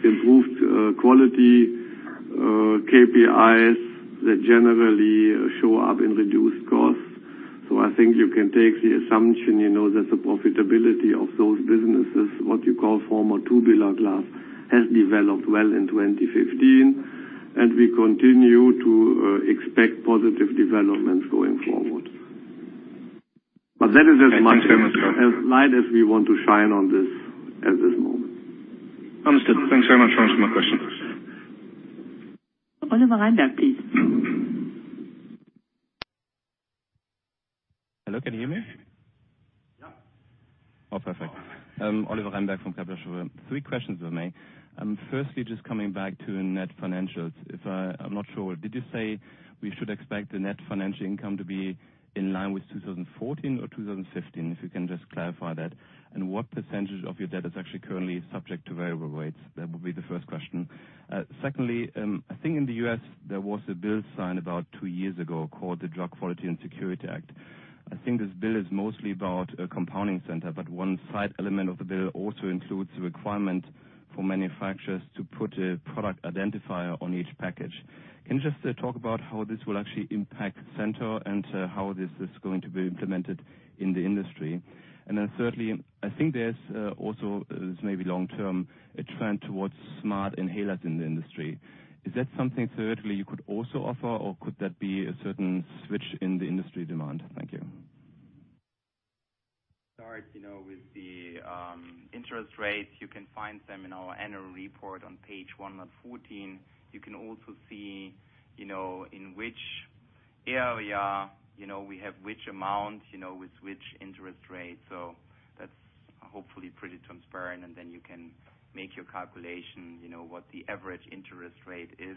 improved quality, KPIs that generally show up in reduced costs. I think you can take the assumption that the profitability of those businesses, what you call former tubular glass, has developed well in 2015, and we continue to expect positive developments going forward. Thank you so much as light as we want to shine on this at this moment. Understood. Thanks very much. That answers my question. Oliver Reinberg, please. Hello, can you hear me? Yeah. Oh, perfect. Oliver Reinberg from. Three questions if I may. Firstly, just coming back to net financials. I'm not sure, did you say we should expect the net financial income to be in line with 2014 or 2015? If you can just clarify that. What percentage of your debt is actually currently subject to variable rates? That would be the first question. Secondly, I think in the U.S. there was a bill signed about two years ago called the Drug Quality and Security Act. I think this bill is mostly about a compounding center, but one side element of the bill also includes the requirement for manufacturers to put a product identifier on each package. Can you just talk about how this will actually impact Centor and how this is going to be implemented in the industry? Thirdly, I think there's also, this may be long term, a trend towards smart inhalers in the industry. Is that something thirdly you could also offer or could that be a certain switch in the industry demand? Thank you. Start, with the interest rates, you can find them in our annual report on page 114. You can also see in which area we have which amount, with which interest rate. That's hopefully pretty transparent, then you can make your calculation, what the average interest rate is.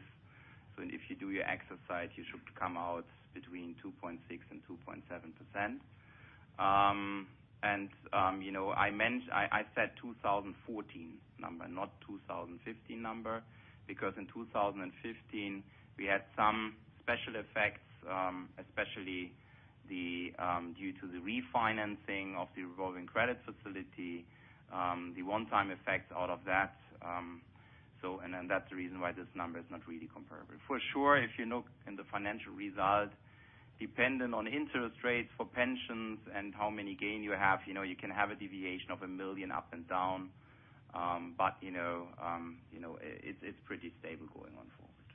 If you do your exercise, you should come out between 2.6% and 2.7%. I said 2014 number, not 2015 number, because in 2015 we had some special effects, especially due to the refinancing of the revolving credit facility, the one-time effects out of that. That's the reason why this number is not really comparable. For sure, if you look in the financial result, dependent on interest rates for pensions and how many gain you have, you can have a deviation of a million up and down. It's pretty stable going on forward.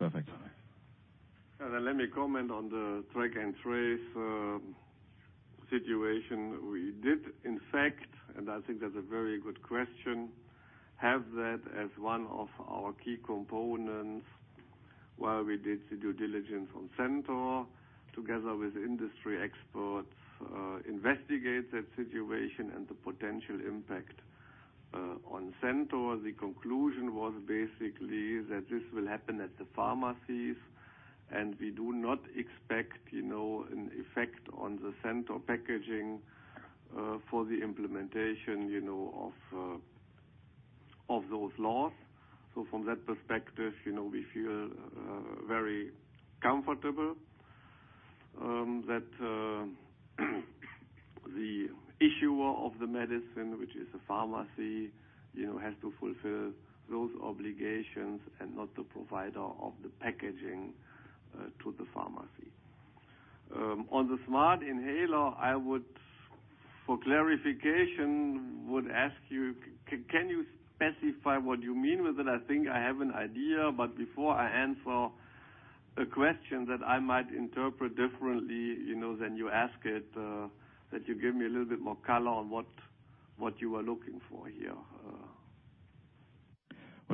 Perfect. Let me comment on the track and trace situation. We did, in fact, and I think that's a very good question, have that as one of our key components. While we did the due diligence on Centor together with industry experts, investigate that situation and the potential impact on Centor, the conclusion was basically that this will happen at the pharmacies, and we do not expect an effect on the Centor packaging for the implementation of those laws. From that perspective, we feel very comfortable that the issuer of the medicine, which is a pharmacy, has to fulfill those obligations and not the provider of the packaging to the pharmacy. On the smart inhaler, for clarification, I would ask you, can you specify what you mean with it? I think I have an idea, before I answer a question that I might interpret differently than you ask it, that you give me a little bit more color on what you are looking for here.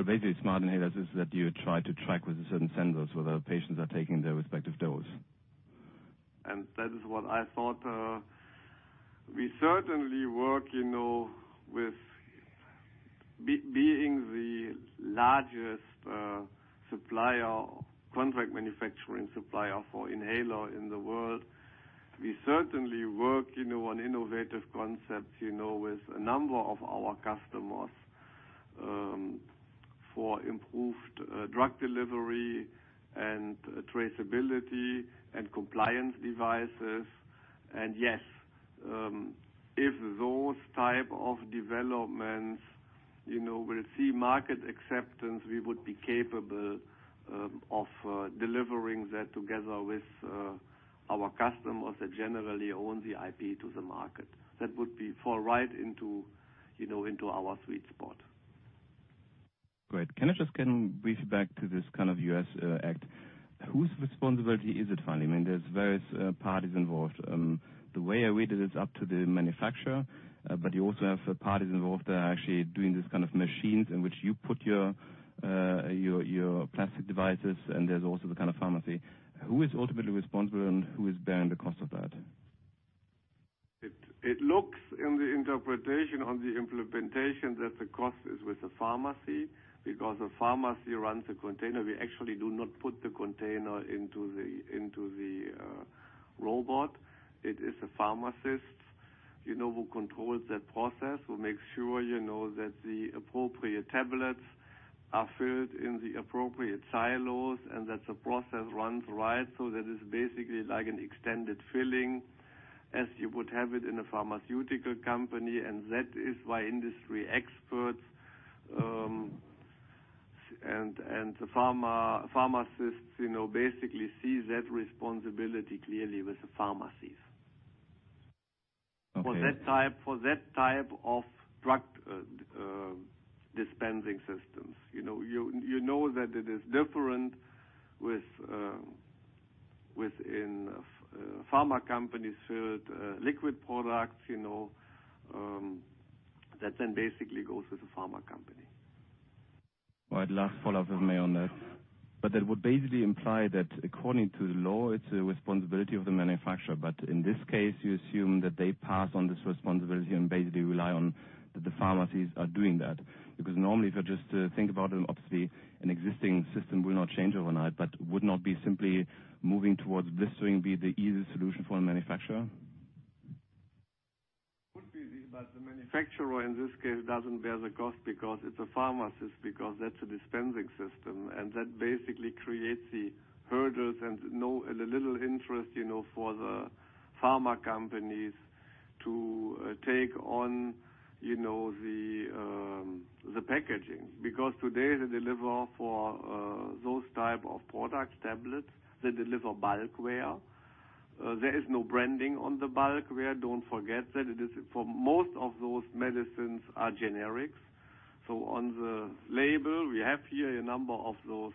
Basically, smart inhalers is that you try to track with the certain sensors whether patients are taking their respective dose. That is what I thought. Being the largest contract manufacturing supplier for inhaler in the world, we certainly work on innovative concepts with a number of our customers for improved drug delivery and traceability and compliance devices. Yes, if those type of developments will see market acceptance, we would be capable of delivering that together with our customers that generally own the IP to the market. That would fall right into our sweet spot. Great. Can I just get brief back to this U.S. act? Whose responsibility is it, finally? There's various parties involved. The way I read it's up to the manufacturer. You also have parties involved that are actually doing these kind of machines in which you put your plastic devices, and there's also the pharmacy. Who is ultimately responsible, and who is bearing the cost of that? It looks, in the interpretation on the implementation, that the cost is with the pharmacy, because the pharmacy runs the container. We actually do not put the container into the robot. It is the pharmacist who controls that process, who makes sure that the appropriate tablets are filled in the appropriate silos and that the process runs right. That is basically like an extended filling as you would have it in a pharmaceutical company, and that is why industry experts and the pharmacists basically see that responsibility clearly with the pharmacies. Okay. For that type of drug dispensing systems. You know that it is different within pharma companies filled liquid products, that then basically goes with the pharma company. Well, I'd last follow-up with me on that. That would basically imply that according to the law, it's the responsibility of the manufacturer. In this case, you assume that they pass on this responsibility and basically rely on that the pharmacies are doing that. Normally, if I just think about it, obviously, an existing system will not change overnight, but would not be simply moving towards this stream be the easiest solution for a manufacturer? Could be, the manufacturer, in this case, doesn't bear the cost because it's a pharmacist, because that's a dispensing system. That basically creates the hurdles and the little interest for the pharma companies to take on the packaging, because today they deliver for those type of products, tablets, they deliver bulk ware. There is no branding on the bulk ware. Don't forget that. For most of those medicines are generics. On the label, we have here a number of those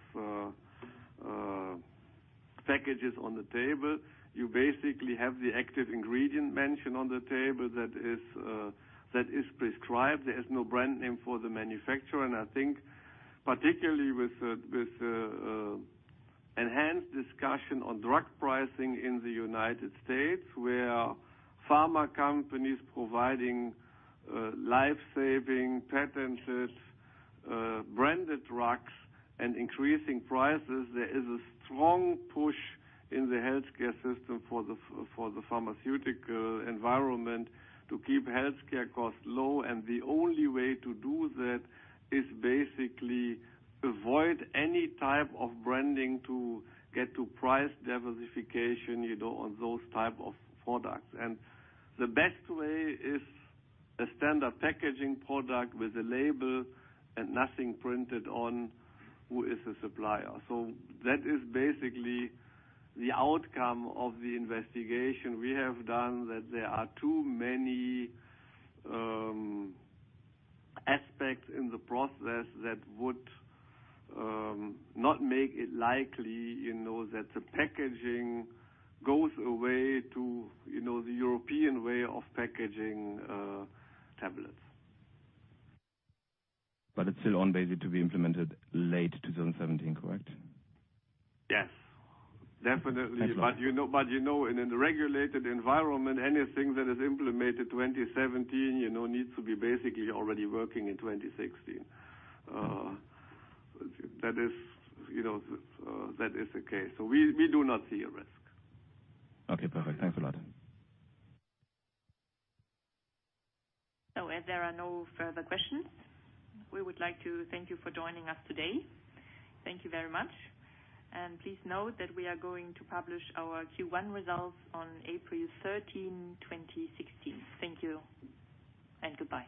packages on the table. You basically have the active ingredient mentioned on the table that is prescribed. There is no brand name for the manufacturer. I think particularly with enhanced discussion on drug pricing in the United States, where pharma companies providing life-saving, patented, branded drugs and increasing prices, there is a strong push in the healthcare system for the pharmaceutical environment to keep healthcare costs low. The only way to do that is basically avoid any type of branding to get to price diversification on those type of products. The best way is a standard packaging product with a label and nothing printed on who is the supplier. That is basically the outcome of the investigation we have done, that there are too many aspects in the process that would not make it likely that the packaging goes away to the European way of packaging tablets. It's still on, basically, to be implemented late 2017, correct? Yes, definitely. That's all. In a regulated environment, anything that is implemented 2017 needs to be basically already working in 2016. That is the case. We do not see a risk. Okay, perfect. Thanks a lot. If there are no further questions, we would like to thank you for joining us today. Thank you very much. Please note that we are going to publish our Q1 results on April 13, 2016. Thank you, and goodbye.